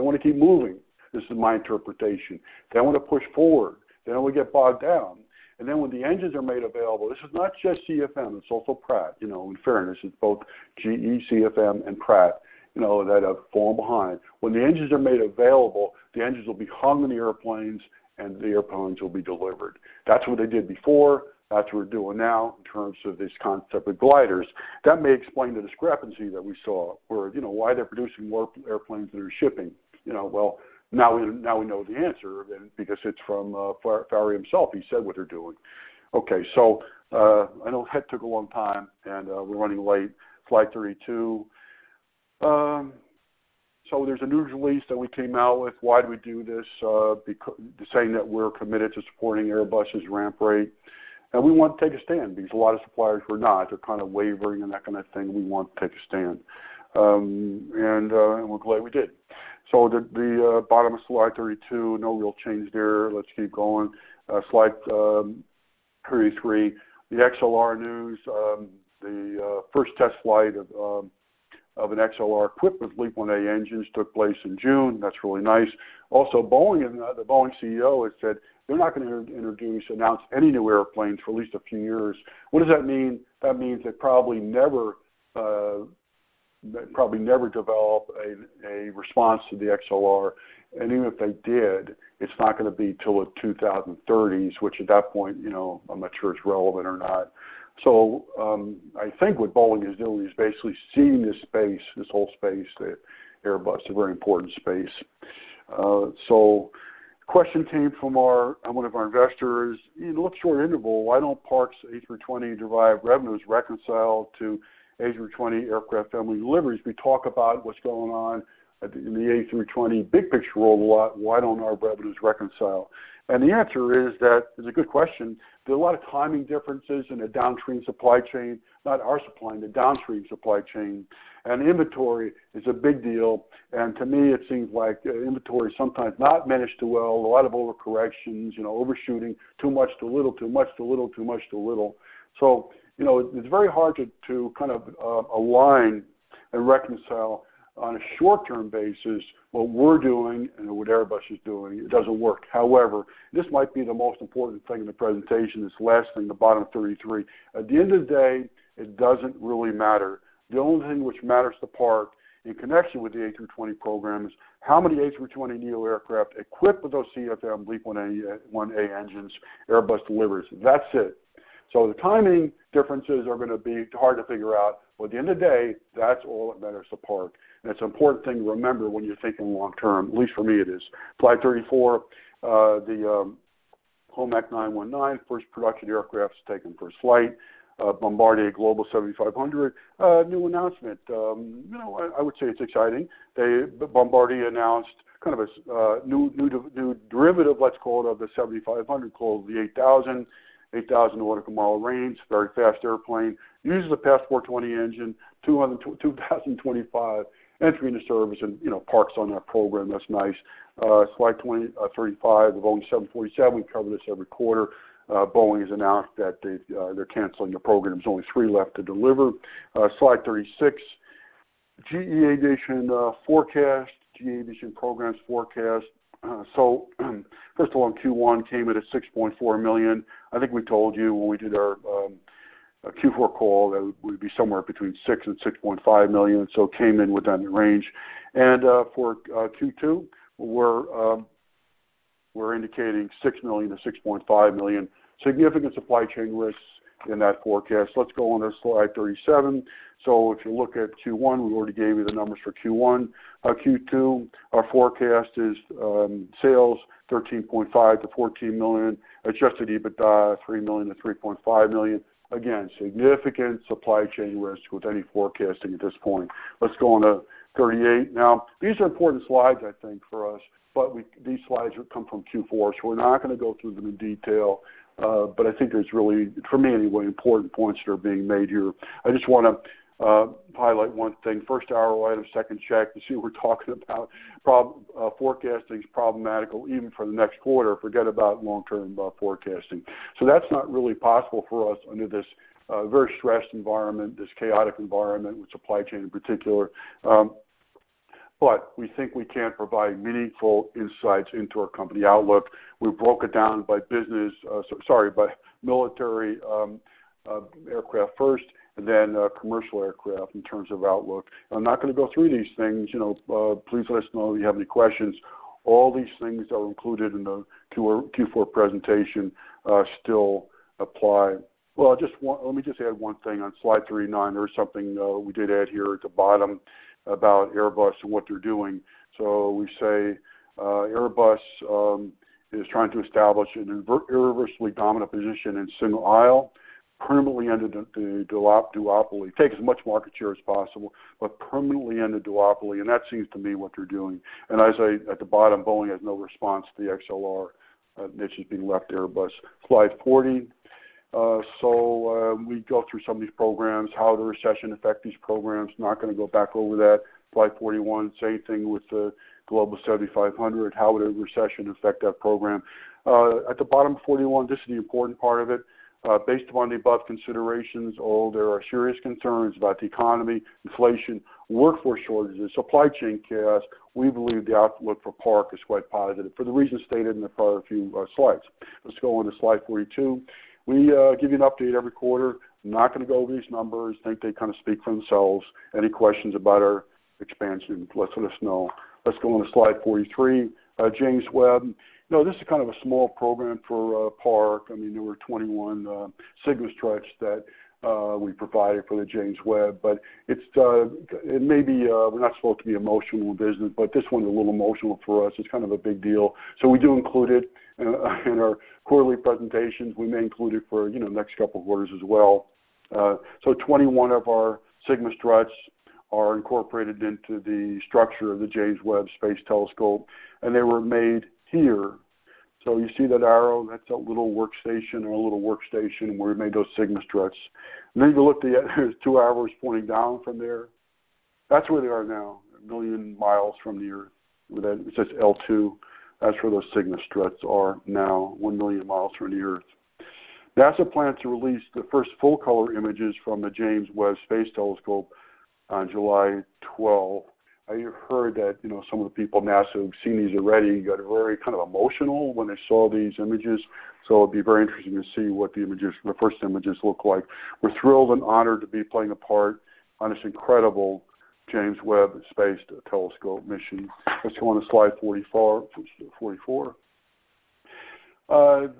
wanna keep moving. This is my interpretation. They wanna push forward. They don't wanna get bogged down. Then when the engines are made available, this is not just CFM, it's also Pratt. You know, in fairness, it's both GE, CFM, and Pratt, you know, that have fallen behind. When the engines are made available, the engines will be hung in the airplanes, and the airplanes will be delivered. That's what they did before. That's what we're doing now in terms of this concept of gliders. That may explain the discrepancy that we saw where, you know, why they're producing more airplanes than they're shipping. You know, well, now we know the answer then because it's from Faury himself. He said what they're doing. Okay, so I know that took a long time, and we're running late. Slide 32. So there's a news release that we came out with. Why do we do this? Saying that we're committed to supporting Airbus' ramp rate. We want to take a stand because a lot of suppliers were not. They're kind of wavering and that kind of thing. We want to take a stand. We're glad we did. The bottom of slide 32, no real change there. Let's keep going. Slide 33, the XLR news. The first test flight of an XLR equipped with LEAP-1A engines took place in June. That's really nice. Also, Boeing and the Boeing CEO has said they're not gonna introduce, announce any new airplanes for at least a few years. What does that mean? That means they probably never develop a response to the XLR. Even if they did, it's not gonna be till the 2030s, which at that point, you know, I'm not sure it's relevant or not. I think what Boeing is doing is basically ceding this space, this whole space that Airbus, a very important space. Question came from one of our investors. In the short interval, why don't Park's A320-derived revenues reconcile to A320 aircraft family deliveries? We talk about what's going on in the A320 big picture overall a lot. Why don't our revenues reconcile? The answer is that it's a good question. There are a lot of timing differences in the downstream supply chain, not our supply, the downstream supply chain. Inventory is a big deal. To me, it seems like inventory is sometimes not managed too well, a lot of overcorrections, you know, overshooting, too much, too little. You know, it's very hard to kind of align and reconcile on a short-term basis what we're doing and what Airbus is doing. It doesn't work. However, this might be the most important thing in the presentation, this last thing, the bottom 33. At the end of the day, it doesn't really matter. The only thing which matters to Park in connection with the A220 program is how many A220neo aircraft equipped with those CFM LEAP-1A engines Airbus delivers. That's it. The timing differences are gonna be hard to figure out, but at the end of the day, that's all that matters to Park. It's an important thing to remember when you're thinking long term, at least for me it is. Slide 34, the COMAC C919, first production aircraft's taken for a flight. Bombardier Global 7500, a new announcement. You know, I would say it's exciting. Bombardier announced kind of a new derivative, let's call it, of the 7500, called the 8000. 8,000 nautical mile range, very fast airplane. Uses a Passport 20 engine, 2025 entering the service, and you know, Park's on that program. That's nice. Slide 20, 35, the Boeing 747, we cover this every quarter. Boeing has announced that they're canceling the program. There's only three left to deliver. Slide 36, GE Aviation forecast, GE Aviation programs forecast. First of all, in Q1, came in at $6.4 million. I think we told you when we did our Q4 call that we'd be somewhere between $6 million and $6.5 million, so it came in within the range. For Q2, we're indicating $6 million-$6.5 million. Significant supply chain risks in that forecast. Let's go on to slide 37. If you look at Q1, we already gave you the numbers for Q1. Q2, our forecast is sales $13.5 million-$14 million, adjusted EBITDA $3 million-$3.5 million. Again, significant supply chain risk with any forecasting at this point. Let's go on to 38. These are important slides, I think, for us, but these slides come from Q4, so we're not gonna go through them in detail. I think there's really, for me anyway, important points that are being made here. I just wanna highlight one thing. First arrow item, second check, you see we're talking about forecasting's problematical even for the next quarter, forget about long-term forecasting. That's not really possible for us under this very stressed environment, this chaotic environment with supply chain in particular. We think we can provide meaningful insights into our company outlook. We've broke it down by business by military aircraft first, and then commercial aircraft in terms of outlook. I'm not gonna go through these things, you know, please let us know if you have any questions. All these things are included in the Q4 presentation still apply. Well, I just want. Let me just add one thing. On slide 39, there's something we did add here at the bottom about Airbus and what they're doing. We say, Airbus is trying to establish an irreversibly dominant position in single aisle, permanently end the duopoly. Take as much market share as possible, but permanently end the duopoly, and that seems to me what they're doing. At the bottom, Boeing has no response to the XLR niche that's being left to Airbus. Slide 40. We go through some of these programs, how the recession affect these programs. Not gonna go back over that. Slide 41, same thing with the Global 7500, how would a recession affect that program? At the bottom of 41, this is the important part of it. Based upon the above considerations, although there are serious concerns about the economy, inflation, workforce shortages, supply chain chaos, we believe the outlook for Park is quite positive for the reasons stated in the prior few slides. Let's go on to slide 42. We give you an update every quarter. Not gonna go over these numbers. Think they kinda speak for themselves. Any questions about our expansion, please let us know. Let's go on to slide 43. James Webb. You know, this is kind of a small program for Park. I mean, there were 21 SigmaStruts that we provided for the James Webb, but it may be we're not supposed to be emotional in business, but this one's a little emotional for us. It's kind of a big deal. We do include it in our quarterly presentations. We may include it for, you know, the next couple of quarters as well. 21 of our SigmaStruts are incorporated into the structure of the James Webb Space Telescope, and they were made here. You see that arrow, that's a little workstation where we made those SigmaStruts. If you look at the two arrows pointing down from there, that's where they are now, 1 million miles from the Earth. That says L2. That's where those SigmaStruts are now, 1 million mi from the Earth. NASA plans to release the first full-color images from the James Webb Space Telescope on July 12th. Now you've heard that, you know, some of the people at NASA who've seen these already got very kind of emotional when they saw these images, so it'll be very interesting to see what the images, the first images look like. We're thrilled and honored to be playing a part on this incredible James Webb Space Telescope mission. Let's go on to slide 44. 44.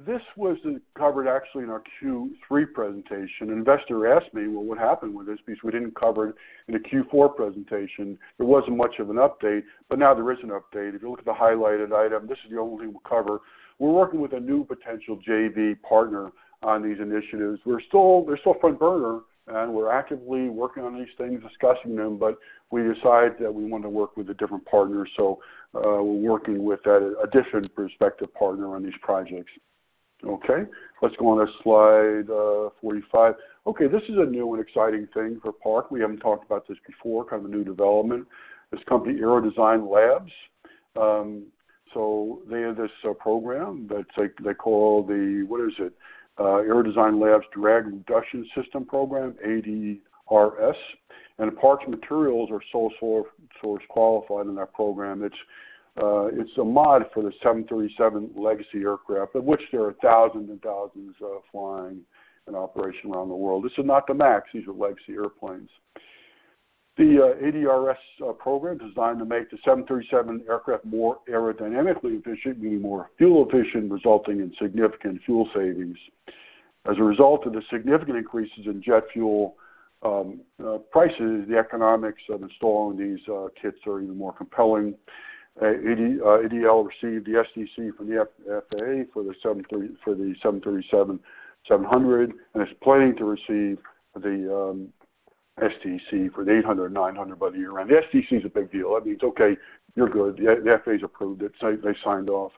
This wasn't covered actually in our Q3 presentation. An investor asked me, "Well, what happened with this?" because we didn't cover it in the Q4 presentation. There wasn't much of an update, but now there is an update. If you look at the highlighted item, this is the only thing we'll cover. We're working with a new potential JV partner on these initiatives. We're still, they're still front burner, and we're actively working on these things, discussing them, but we decided that we want to work with a different partner, so we're working with a different prospective partner on these projects. Okay? Let's go on to slide 45. Okay, this is a new and exciting thing for Park. We haven't talked about this before, kind of a new development. This company, Aero Design Labs, so they have this program that they call the Aero Design Labs Drag Reduction System program, ADRS. And Park materials are sole source qualified in that program. It's a mod for the 737 legacy aircraft, of which there are thousands and thousands flying in operation around the world. This is not the MAX. These are legacy airplanes. The ADRS program designed to make the 737 aircraft more aerodynamically efficient, meaning more fuel efficient, resulting in significant fuel savings. As a result of the significant increases in jet fuel prices, the economics of installing these kits are even more compelling. ADL received the STC from the FAA for the 737-700, and it's planning to receive the STC for the 800, 900 by year-end. The STC is a big deal. I mean, it's okay, you're good. The FAA's approved it, so they signed off.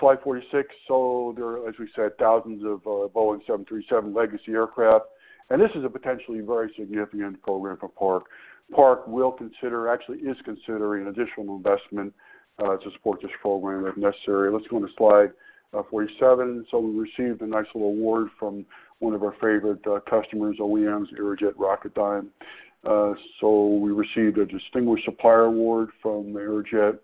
Slide 46. There are, as we said, thousands of Boeing 737 legacy aircraft, and this is a potentially very significant program for Park. Park will consider, actually is considering additional investment to support this program if necessary. Let's go on to slide 47. We received a nice little award from one of our favorite customers, OEMs, Aerojet Rocketdyne. We received a distinguished supplier award from Aerojet.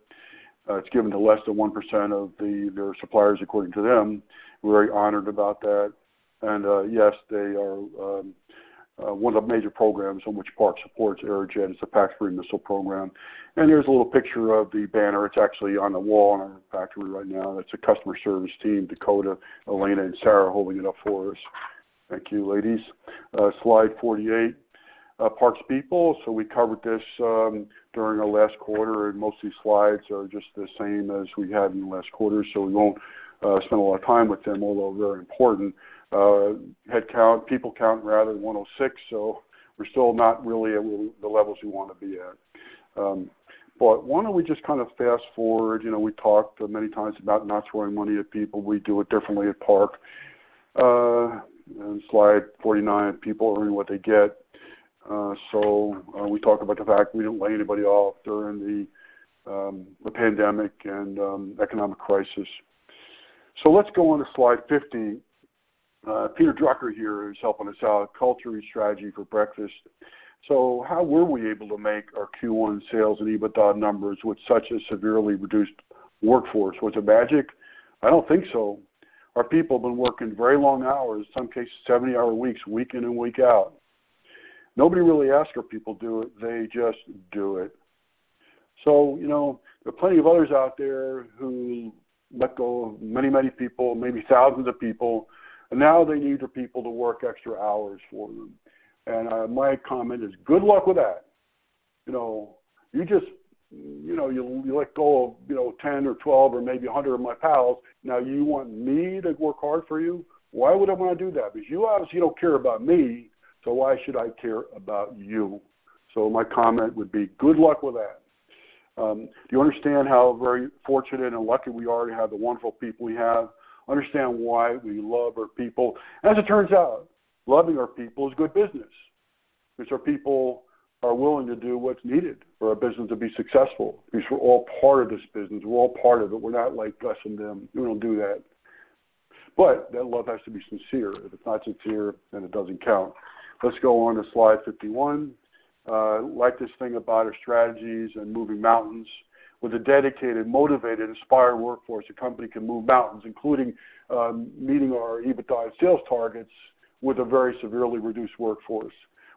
It's given to less than 1% of their suppliers, according to them. We're very honored about that. It is one of the major programs in which Park supports Aerojet. It's a PAC-3 missile program. Here's a little picture of the banner. It's actually on the wall in our factory right now. That's the customer service team, Dakota, Elena, and Sarah holding it up for us. Thank you, ladies. Slide 48. Park's people. We covered this during our last quarter, and most of these slides are just the same as we had in the last quarter. We won't spend a lot of time with them, although very important. Headcount, people count rather 106, so we're still not really at the levels we wanna be at. Why don't we just kind of fast-forward, you know? We talked many times about not throwing money at people. We do it differently at Park. Slide 49, people earning what they get. We talk about the fact we didn't lay anybody off during the pandemic and economic crisis. Let's go on to slide 50. Peter Drucker here, who's helping us out, "Culture eats strategy for breakfast." How were we able to make our Q1 sales and EBITDA numbers with such a severely reduced workforce? Was it magic? I don't think so. Our people have been working very long hours, in some cases, 70-hour weeks, week in and week out. Nobody really asks our people do it, they just do it. You know, there are plenty of others out there who let go of many, many people, maybe thousands of people, and now they need their people to work extra hours for them. My comment is, good luck with that. You know, you just you know, you let go of, you know, 10 or 12 or maybe 100 of my pals. Now you want me to work hard for you? Why would I wanna do that? Because you obviously don't care about me, so why should I care about you? My comment would be, good luck with that. Do you understand how very fortunate and lucky we are to have the wonderful people we have? Understand why we love our people. As it turns out, loving our people is good business, because our people are willing to do what's needed for our business to be successful, because we're all part of this business. We're all part of it. We're not like us and them. We don't do that. That love has to be sincere. If it's not sincere, then it doesn't count. Let's go on to slide 51. Like this thing about our strategies and moving mountains. With a dedicated, motivated, inspired workforce, a company can move mountains, including, meeting our EBITDA sales targets with a very severely reduced workforce.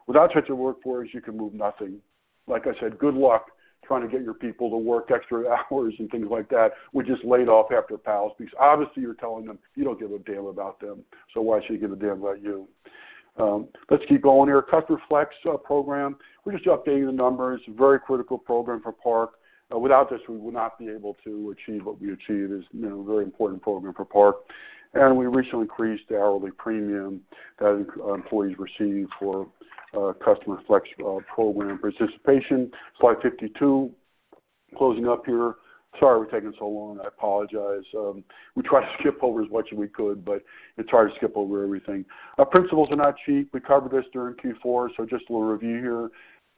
Without such a workforce, you can move nothing. Like I said, good luck trying to get your people to work extra hours and things like that, which has laid off half their pals, because obviously you're telling them you don't give a damn about them, so why should they give a damn about you? Let's keep going here. Customer Flex program. We're just updating the numbers. Very critical program for Park. Without this, we would not be able to achieve what we achieved. It's, you know, a very important program for Park. We recently increased the hourly premium that employees receive for Customer Flex program participation. Slide 52. Closing up here. Sorry, we're taking so long. I apologize. We tried to skip over as much as we could, but it's hard to skip over everything. Our principles are not cheap. We covered this during Q4, so just a little review here.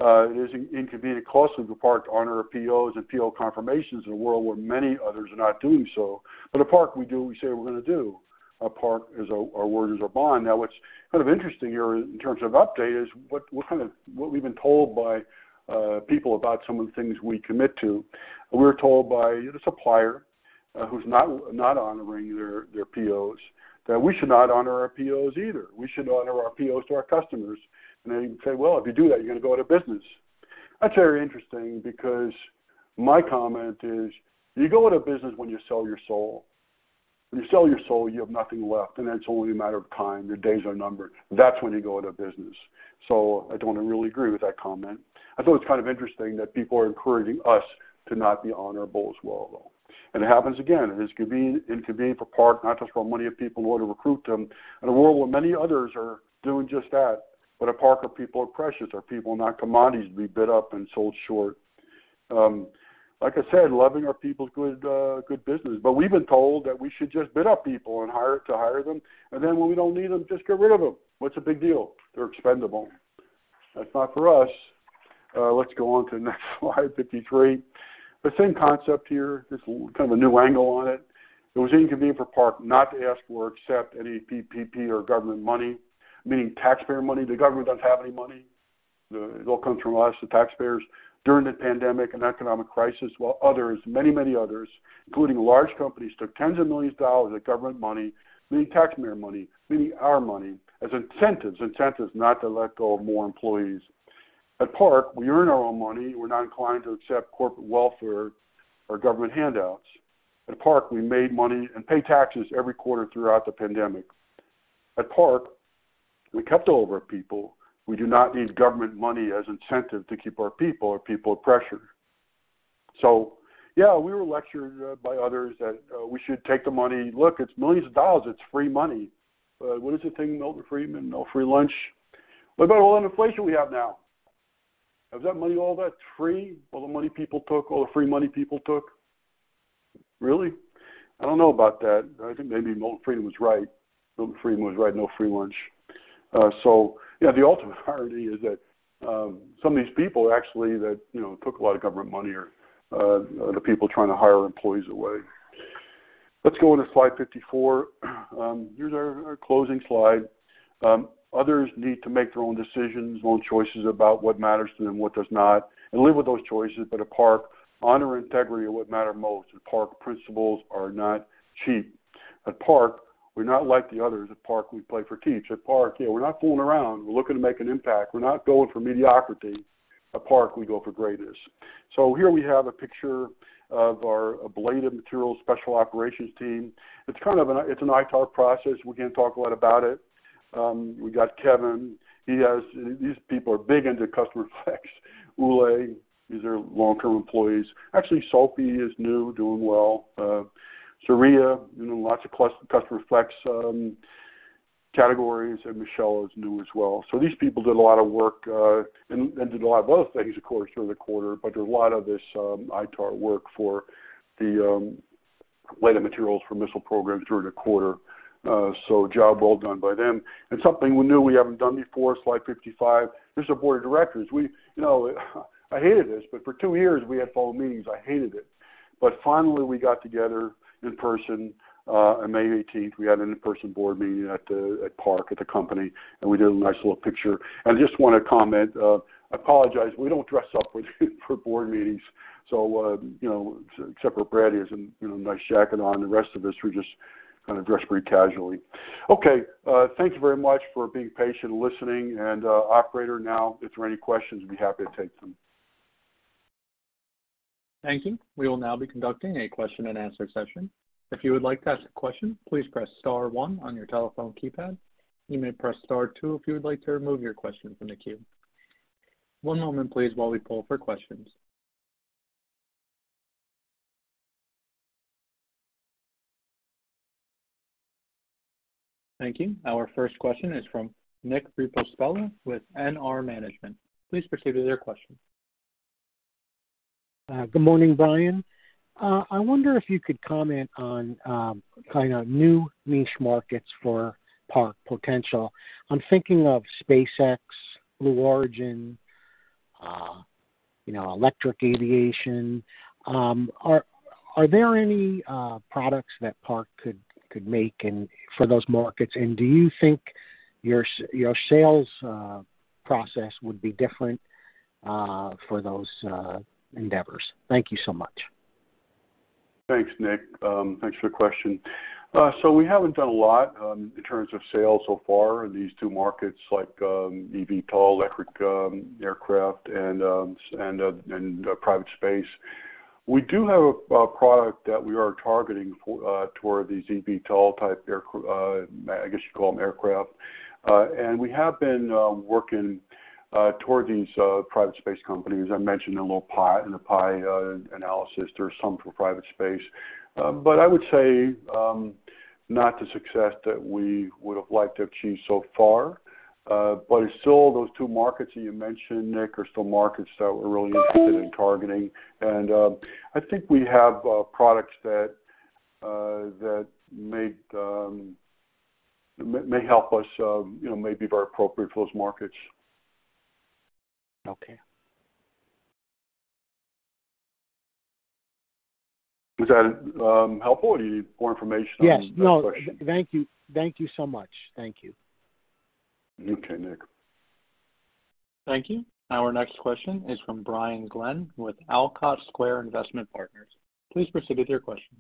It is an inconvenient cost to Park to honor our POs and PO confirmations in a world where many others are not doing so. But at Park, we do what we say we're gonna do. At Park, our word is our bond. Now what's kind of interesting here in terms of update is what we've been told by people about some of the things we commit to. We're told by the supplier who's not honoring their POs that we should not honor our POs either. We shouldn't honor our POs to our customers. They say, "Well, if you do that, you're gonna go out of business." That's very interesting because my comment is, you go out of business when you sell your soul. When you sell your soul, you have nothing left, and then it's only a matter of time. Your days are numbered. That's when you go out of business. I don't really agree with that comment. I thought it's kind of interesting that people are encouraging us to not be honorable as well, though. It happens again. It is inconvenient for Park not to throw money at people in order to recruit them in a world where many others are doing just that. At Park, our people are precious. Our people are not commodities to be bid up and sold short. Like I said, loving our people is good business, but we've been told that we should just bid up people and to hire them, and then when we don't need them, just get rid of them. What's the big deal? They're expendable. That's not for us. Let's go on to the next slide, 53. The same concept here. Just kind of a new angle on it. It was inconvenient for Park not to ask or accept any PPP or government money, meaning taxpayer money. The government doesn't have any money. It all comes from us, the taxpayers, during the pandemic and economic crisis, while others, many, many others, including large companies, took tens of millions of dollars of government money, meaning taxpayer money, meaning our money, as incentives not to let go of more employees. At Park, we earn our own money. We're not inclined to accept corporate welfare or government handouts. At Park, we made money and pay taxes every quarter throughout the pandemic. At Park, we kept all of our people. We do not need government money as incentive to keep our people or peer pressure. Yeah, we were lectured by others that we should take the money. Look, it's millions of dollars. It's free money. What is the thing, Milton Friedman? No free lunch. What about all the inflation we have now? Is that money all that free, all the money people took, all the free money people took? Really? I don't know about that. I think maybe Milton Friedman was right. No free lunch. Yeah, the ultimate irony is that some of these people actually that, you know, took a lot of government money are the people trying to hire employees away. Let's go on to slide 54. Here's our closing slide. Others need to make their own decisions, own choices about what matters to them, what does not, and live with those choices. But at Park, honor, integrity are what matter most, and Park principles are not cheap. At Park, we're not like the others. At Park, we play for keeps. At Park, yeah, we're not fooling around. We're looking to make an impact. We're not going for mediocrity. At Park, we go for greatness. Here we have a picture of our ablative materials special operations team. It's an ITAR process. We can't talk a lot about it. We got Kevin. These people are big into Customer Flex. Ulay, these are long-term employees. Actually, Salpi is new, doing well. Sariya, you know, lots of Customer Flex categories. Michelle is new as well. These people did a lot of work and did a lot of other things, of course, during the quarter. Did a lot of this ITAR work for the ablative materials for missile programs during the quarter. Job well done by them. Something new we haven't done before, slide 55. This is our board of directors. We, I hated this, but for two years we had phone meetings. I hated it. Finally we got together in person on May 18th. We had an in-person board meeting at Park at the company, and we did a nice little picture. I just wanna comment. Apologize. We don't dress up for board meetings, except for Brad, he has a nice jacket on. The rest of us, we just kinda dress pretty casually. Okay. Thank you very much for being patient and listening. Operator, now if there are any questions, we'd be happy to take them. Thank you. We will now be conducting a question-and-answer session. If you would like to ask a question, please press star one on your telephone keypad. You may press star two if you would like to remove your question from the queue. One moment, please, while we poll for questions. Thank you. Our first question is from Nick Ripostella with NR Management. Please proceed with your question. Good morning, Brian. I wonder if you could comment on kind of new niche markets for Park potential. I'm thinking of SpaceX, Blue Origin, you know, electric aviation. Are there any products that Park could make for those markets? Do you think your sales process would be different for those endeavors? Thank you so much. Thanks, Nick. Thanks for the question. So we haven't done a lot in terms of sales so far in these two markets, like, eVTOL electric aircraft and private space. We do have a product that we are targeting toward these eVTOL type aircraft. I guess you'd call them aircraft. We have been working toward these private space companies. I mentioned in the pie analysis there's some for private space. I would say not the success that we would have liked to achieve so far. Still those two markets that you mentioned, Nick, are still markets that we're really interested in targeting. I think we have products that may help us, you know, may be very appropriate for those markets. Okay. Was that helpful or do you need more information on that question? Yes. No. Thank you. Thank you so much. Thank you. Okay, Nick. Thank you. Our next question is from Brian Glenn with Olcott Square Investment Partners. Please proceed with your question.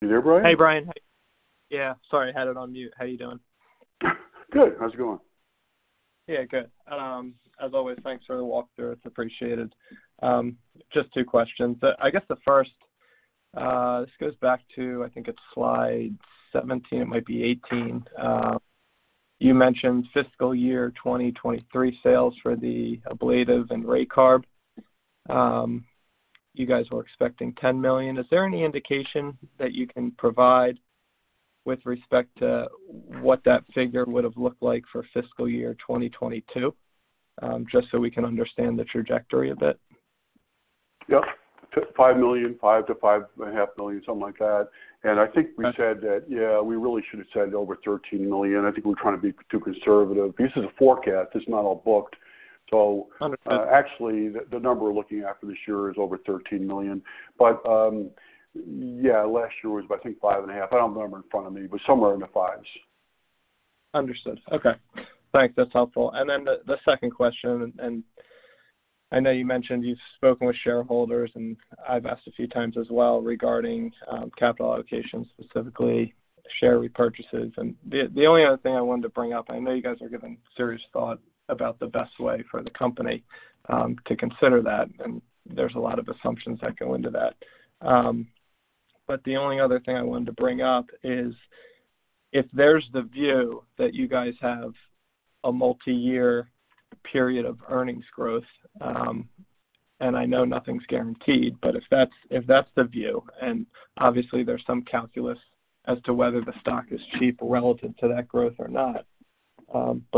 You there, Brian? Hey, Brian. Yeah, sorry, I had it on mute. How you doing? Good. How's it going? Yeah, good. As always, thanks for the walkthrough. It's appreciated. Just two questions. I guess the first, this goes back to I think it's slide 17, it might be 18. You mentioned fiscal year 2023 sales for the ablative and Raycarb. You guys were expecting $10 million. Is there any indication that you can provide with respect to what that figure would have looked like for fiscal year 2022? Just so we can understand the trajectory a bit. Yep. $5 million-$5.5 million, something like that. I think we said that, yeah, we really should have said over $13 million. I think we're trying to be too conservative. This is a forecast. It's not all booked. Understood. Actually, the number we're looking at for this year is over $13 million. Yeah, last year was, I think, $5.5 million. I don't have the number in front of me, but somewhere in the fives. Understood. Okay. Thanks. That's helpful. The second question, and I know you mentioned you've spoken with shareholders, and I've asked a few times as well regarding capital allocation, specifically share repurchases. The only other thing I wanted to bring up, I know you guys are giving serious thought about the best way for the company to consider that, and there's a lot of assumptions that go into that. The only other thing I wanted to bring up is if there's the view that you guys have a multi-year period of earnings growth, and I know nothing's guaranteed, but if that's the view, and obviously there's some calculus as to whether the stock is cheap relative to that growth or not.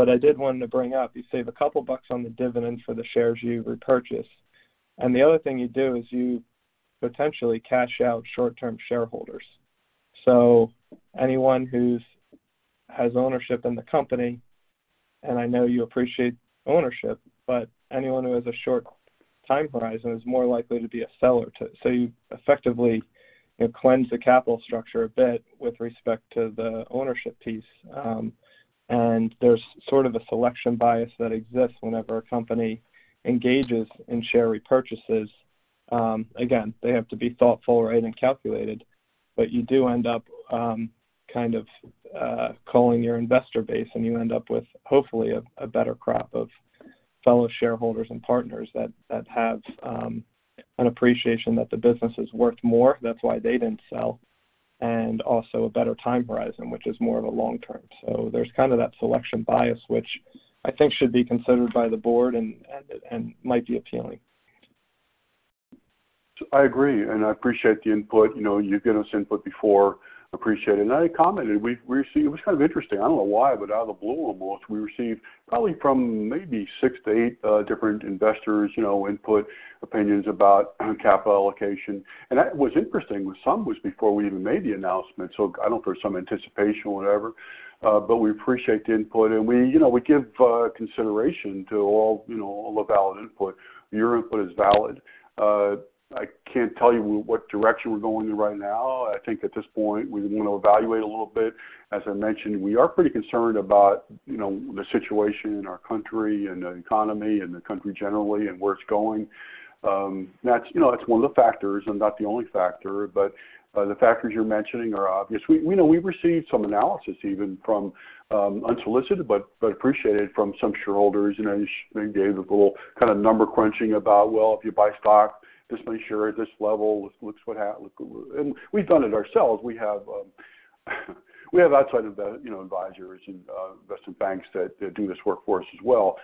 I did want to bring up, you save a couple bucks on the dividend for the shares you repurchase. The other thing you do is you potentially cash out short-term shareholders. Anyone who has ownership in the company, and I know you appreciate ownership, but anyone who has a short time horizon is more likely to be a seller. You effectively, you know, cleanse the capital structure a bit with respect to the ownership piece. There's sort of a selection bias that exists whenever a company engages in share repurchases. Again, they have to be thoughtful, right, and calculated. You do end up, kind of, culling your investor base, and you end up with, hopefully, a better crop of fellow shareholders and partners that have an appreciation that the business is worth more, that's why they didn't sell, and also a better time horizon, which is more of a long term. So there's kind of that selection bias, which I think should be considered by the board and might be appealing. I agree, and I appreciate the input. You know, you've given us input before. Appreciate it. I commented, we received. It was kind of interesting. I don't know why, but out of the blue almost, we received probably from maybe six to eight different investors, you know, input, opinions about capital allocation. That was interesting. With some was before we even made the announcement, so I don't know if there's some anticipation or whatever. We appreciate the input. We, you know, give consideration to all, you know, all the valid input. Your input is valid. I can't tell you what direction we're going in right now. I think at this point, we wanna evaluate a little bit. As I mentioned, we are pretty concerned about, you know, the situation in our country and the economy and the country generally and where it's going. That's, you know, one of the factors and not the only factor. The factors you're mentioning are obvious. We know we've received some analysis even from unsolicited but appreciated from some shareholders. You know, they gave us a little kind of number crunching about, well, if you buy stock, this many shares at this level, this looks. We've done it ourselves. We have outside advisors and investment banks that do this work for us as well.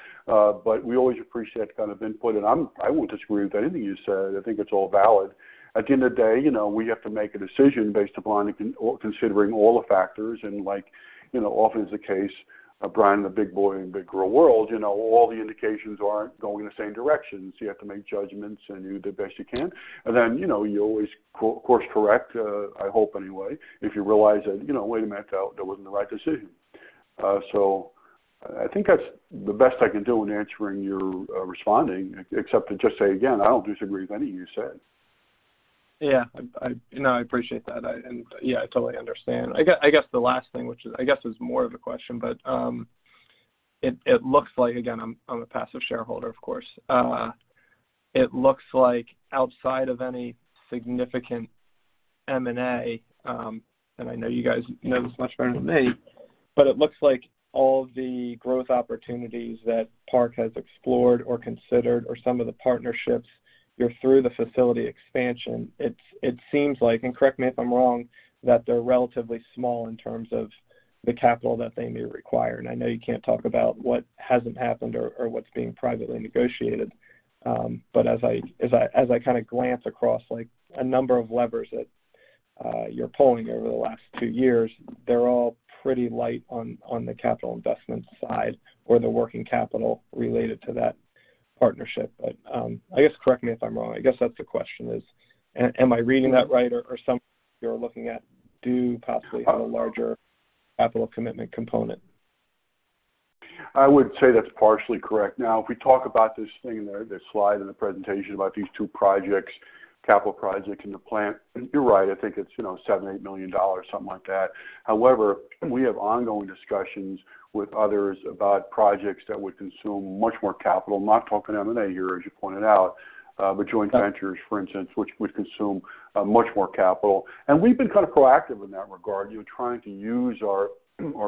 We always appreciate the kind of input, and I won't disagree with anything you said. I think it's all valid. At the end of the day, you know, we have to make a decision based upon considering all the factors. Like, you know, often is the case, Brian, the big boy and big girl world, you know, all the indications aren't going the same direction. You have to make judgments, and you do the best you can. Then, you know, you always course correct, I hope anyway, if you realize that, you know, wait a minute, that wasn't the right decision. I think that's the best I can do in responding, except to just say again, I don't disagree with anything you said. Yeah. You know, I appreciate that. Yeah, I totally understand. I guess the last thing, which is, I guess, more of a question, but it looks like, again, I'm a passive shareholder, of course. It looks like outside of any significant M&A, and I know you guys know this much better than me, but it looks like all the growth opportunities that Park has explored or considered or some of the partnerships were through the facility expansion. It seems like, and correct me if I'm wrong, that they're relatively small in terms of the capital that they may require. I know you can't talk about what hasn't happened or what's being privately negotiated. As I kinda glance across, like, a number of levers that you're pulling over the last two years, they're all pretty light on the capital investment side or the working capital related to that partnership. I guess correct me if I'm wrong. I guess that's the question is, am I reading that right or some you're looking at do possibly have a larger capital commitment component? I would say that's partially correct. Now, if we talk about this thing there, the slide in the presentation about these two projects, capital projects in the plant, you're right. I think it's, you know, $7 million-$8 million, something like that. However, we have ongoing discussions with others about projects that would consume much more capital, not talking M&A here, as you pointed out, but joint ventures, for instance, which would consume much more capital. We've been kind of proactive in that regard. You're trying to use our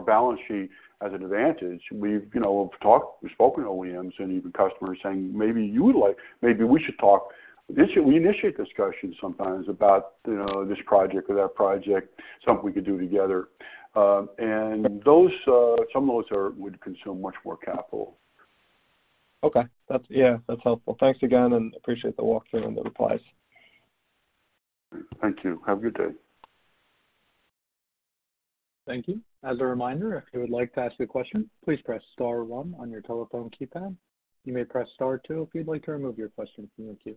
balance sheet as an advantage. We've, you know, talked, we've spoken to OEMs and even customers saying, "Maybe we should talk." We initiate discussions sometimes about, you know, this project or that project, something we could do together. And those, some of those would consume much more capital. Okay. Yeah, that's helpful. Thanks again, and appreciate the walkthrough and the replies. Thank you. Have a good day. Thank you. As a reminder, if you would like to ask a question, please press star one on your telephone keypad. You may press star two if you'd like to remove your question from the queue.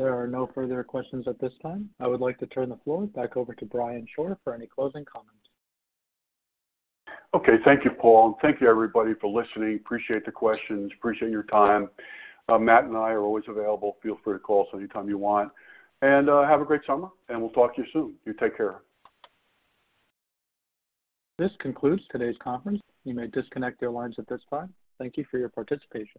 There are no further questions at this time. I would like to turn the floor back over to Brian Shore for any closing comments. Okay. Thank you, Paul, and thank you, everybody, for listening. Appreciate the questions. Appreciate your time. Matt and I are always available. Feel free to call us anytime you want. Have a great summer, and we'll talk to you soon. You take care. This concludes today's conference. You may disconnect your lines at this time. Thank you for your participation.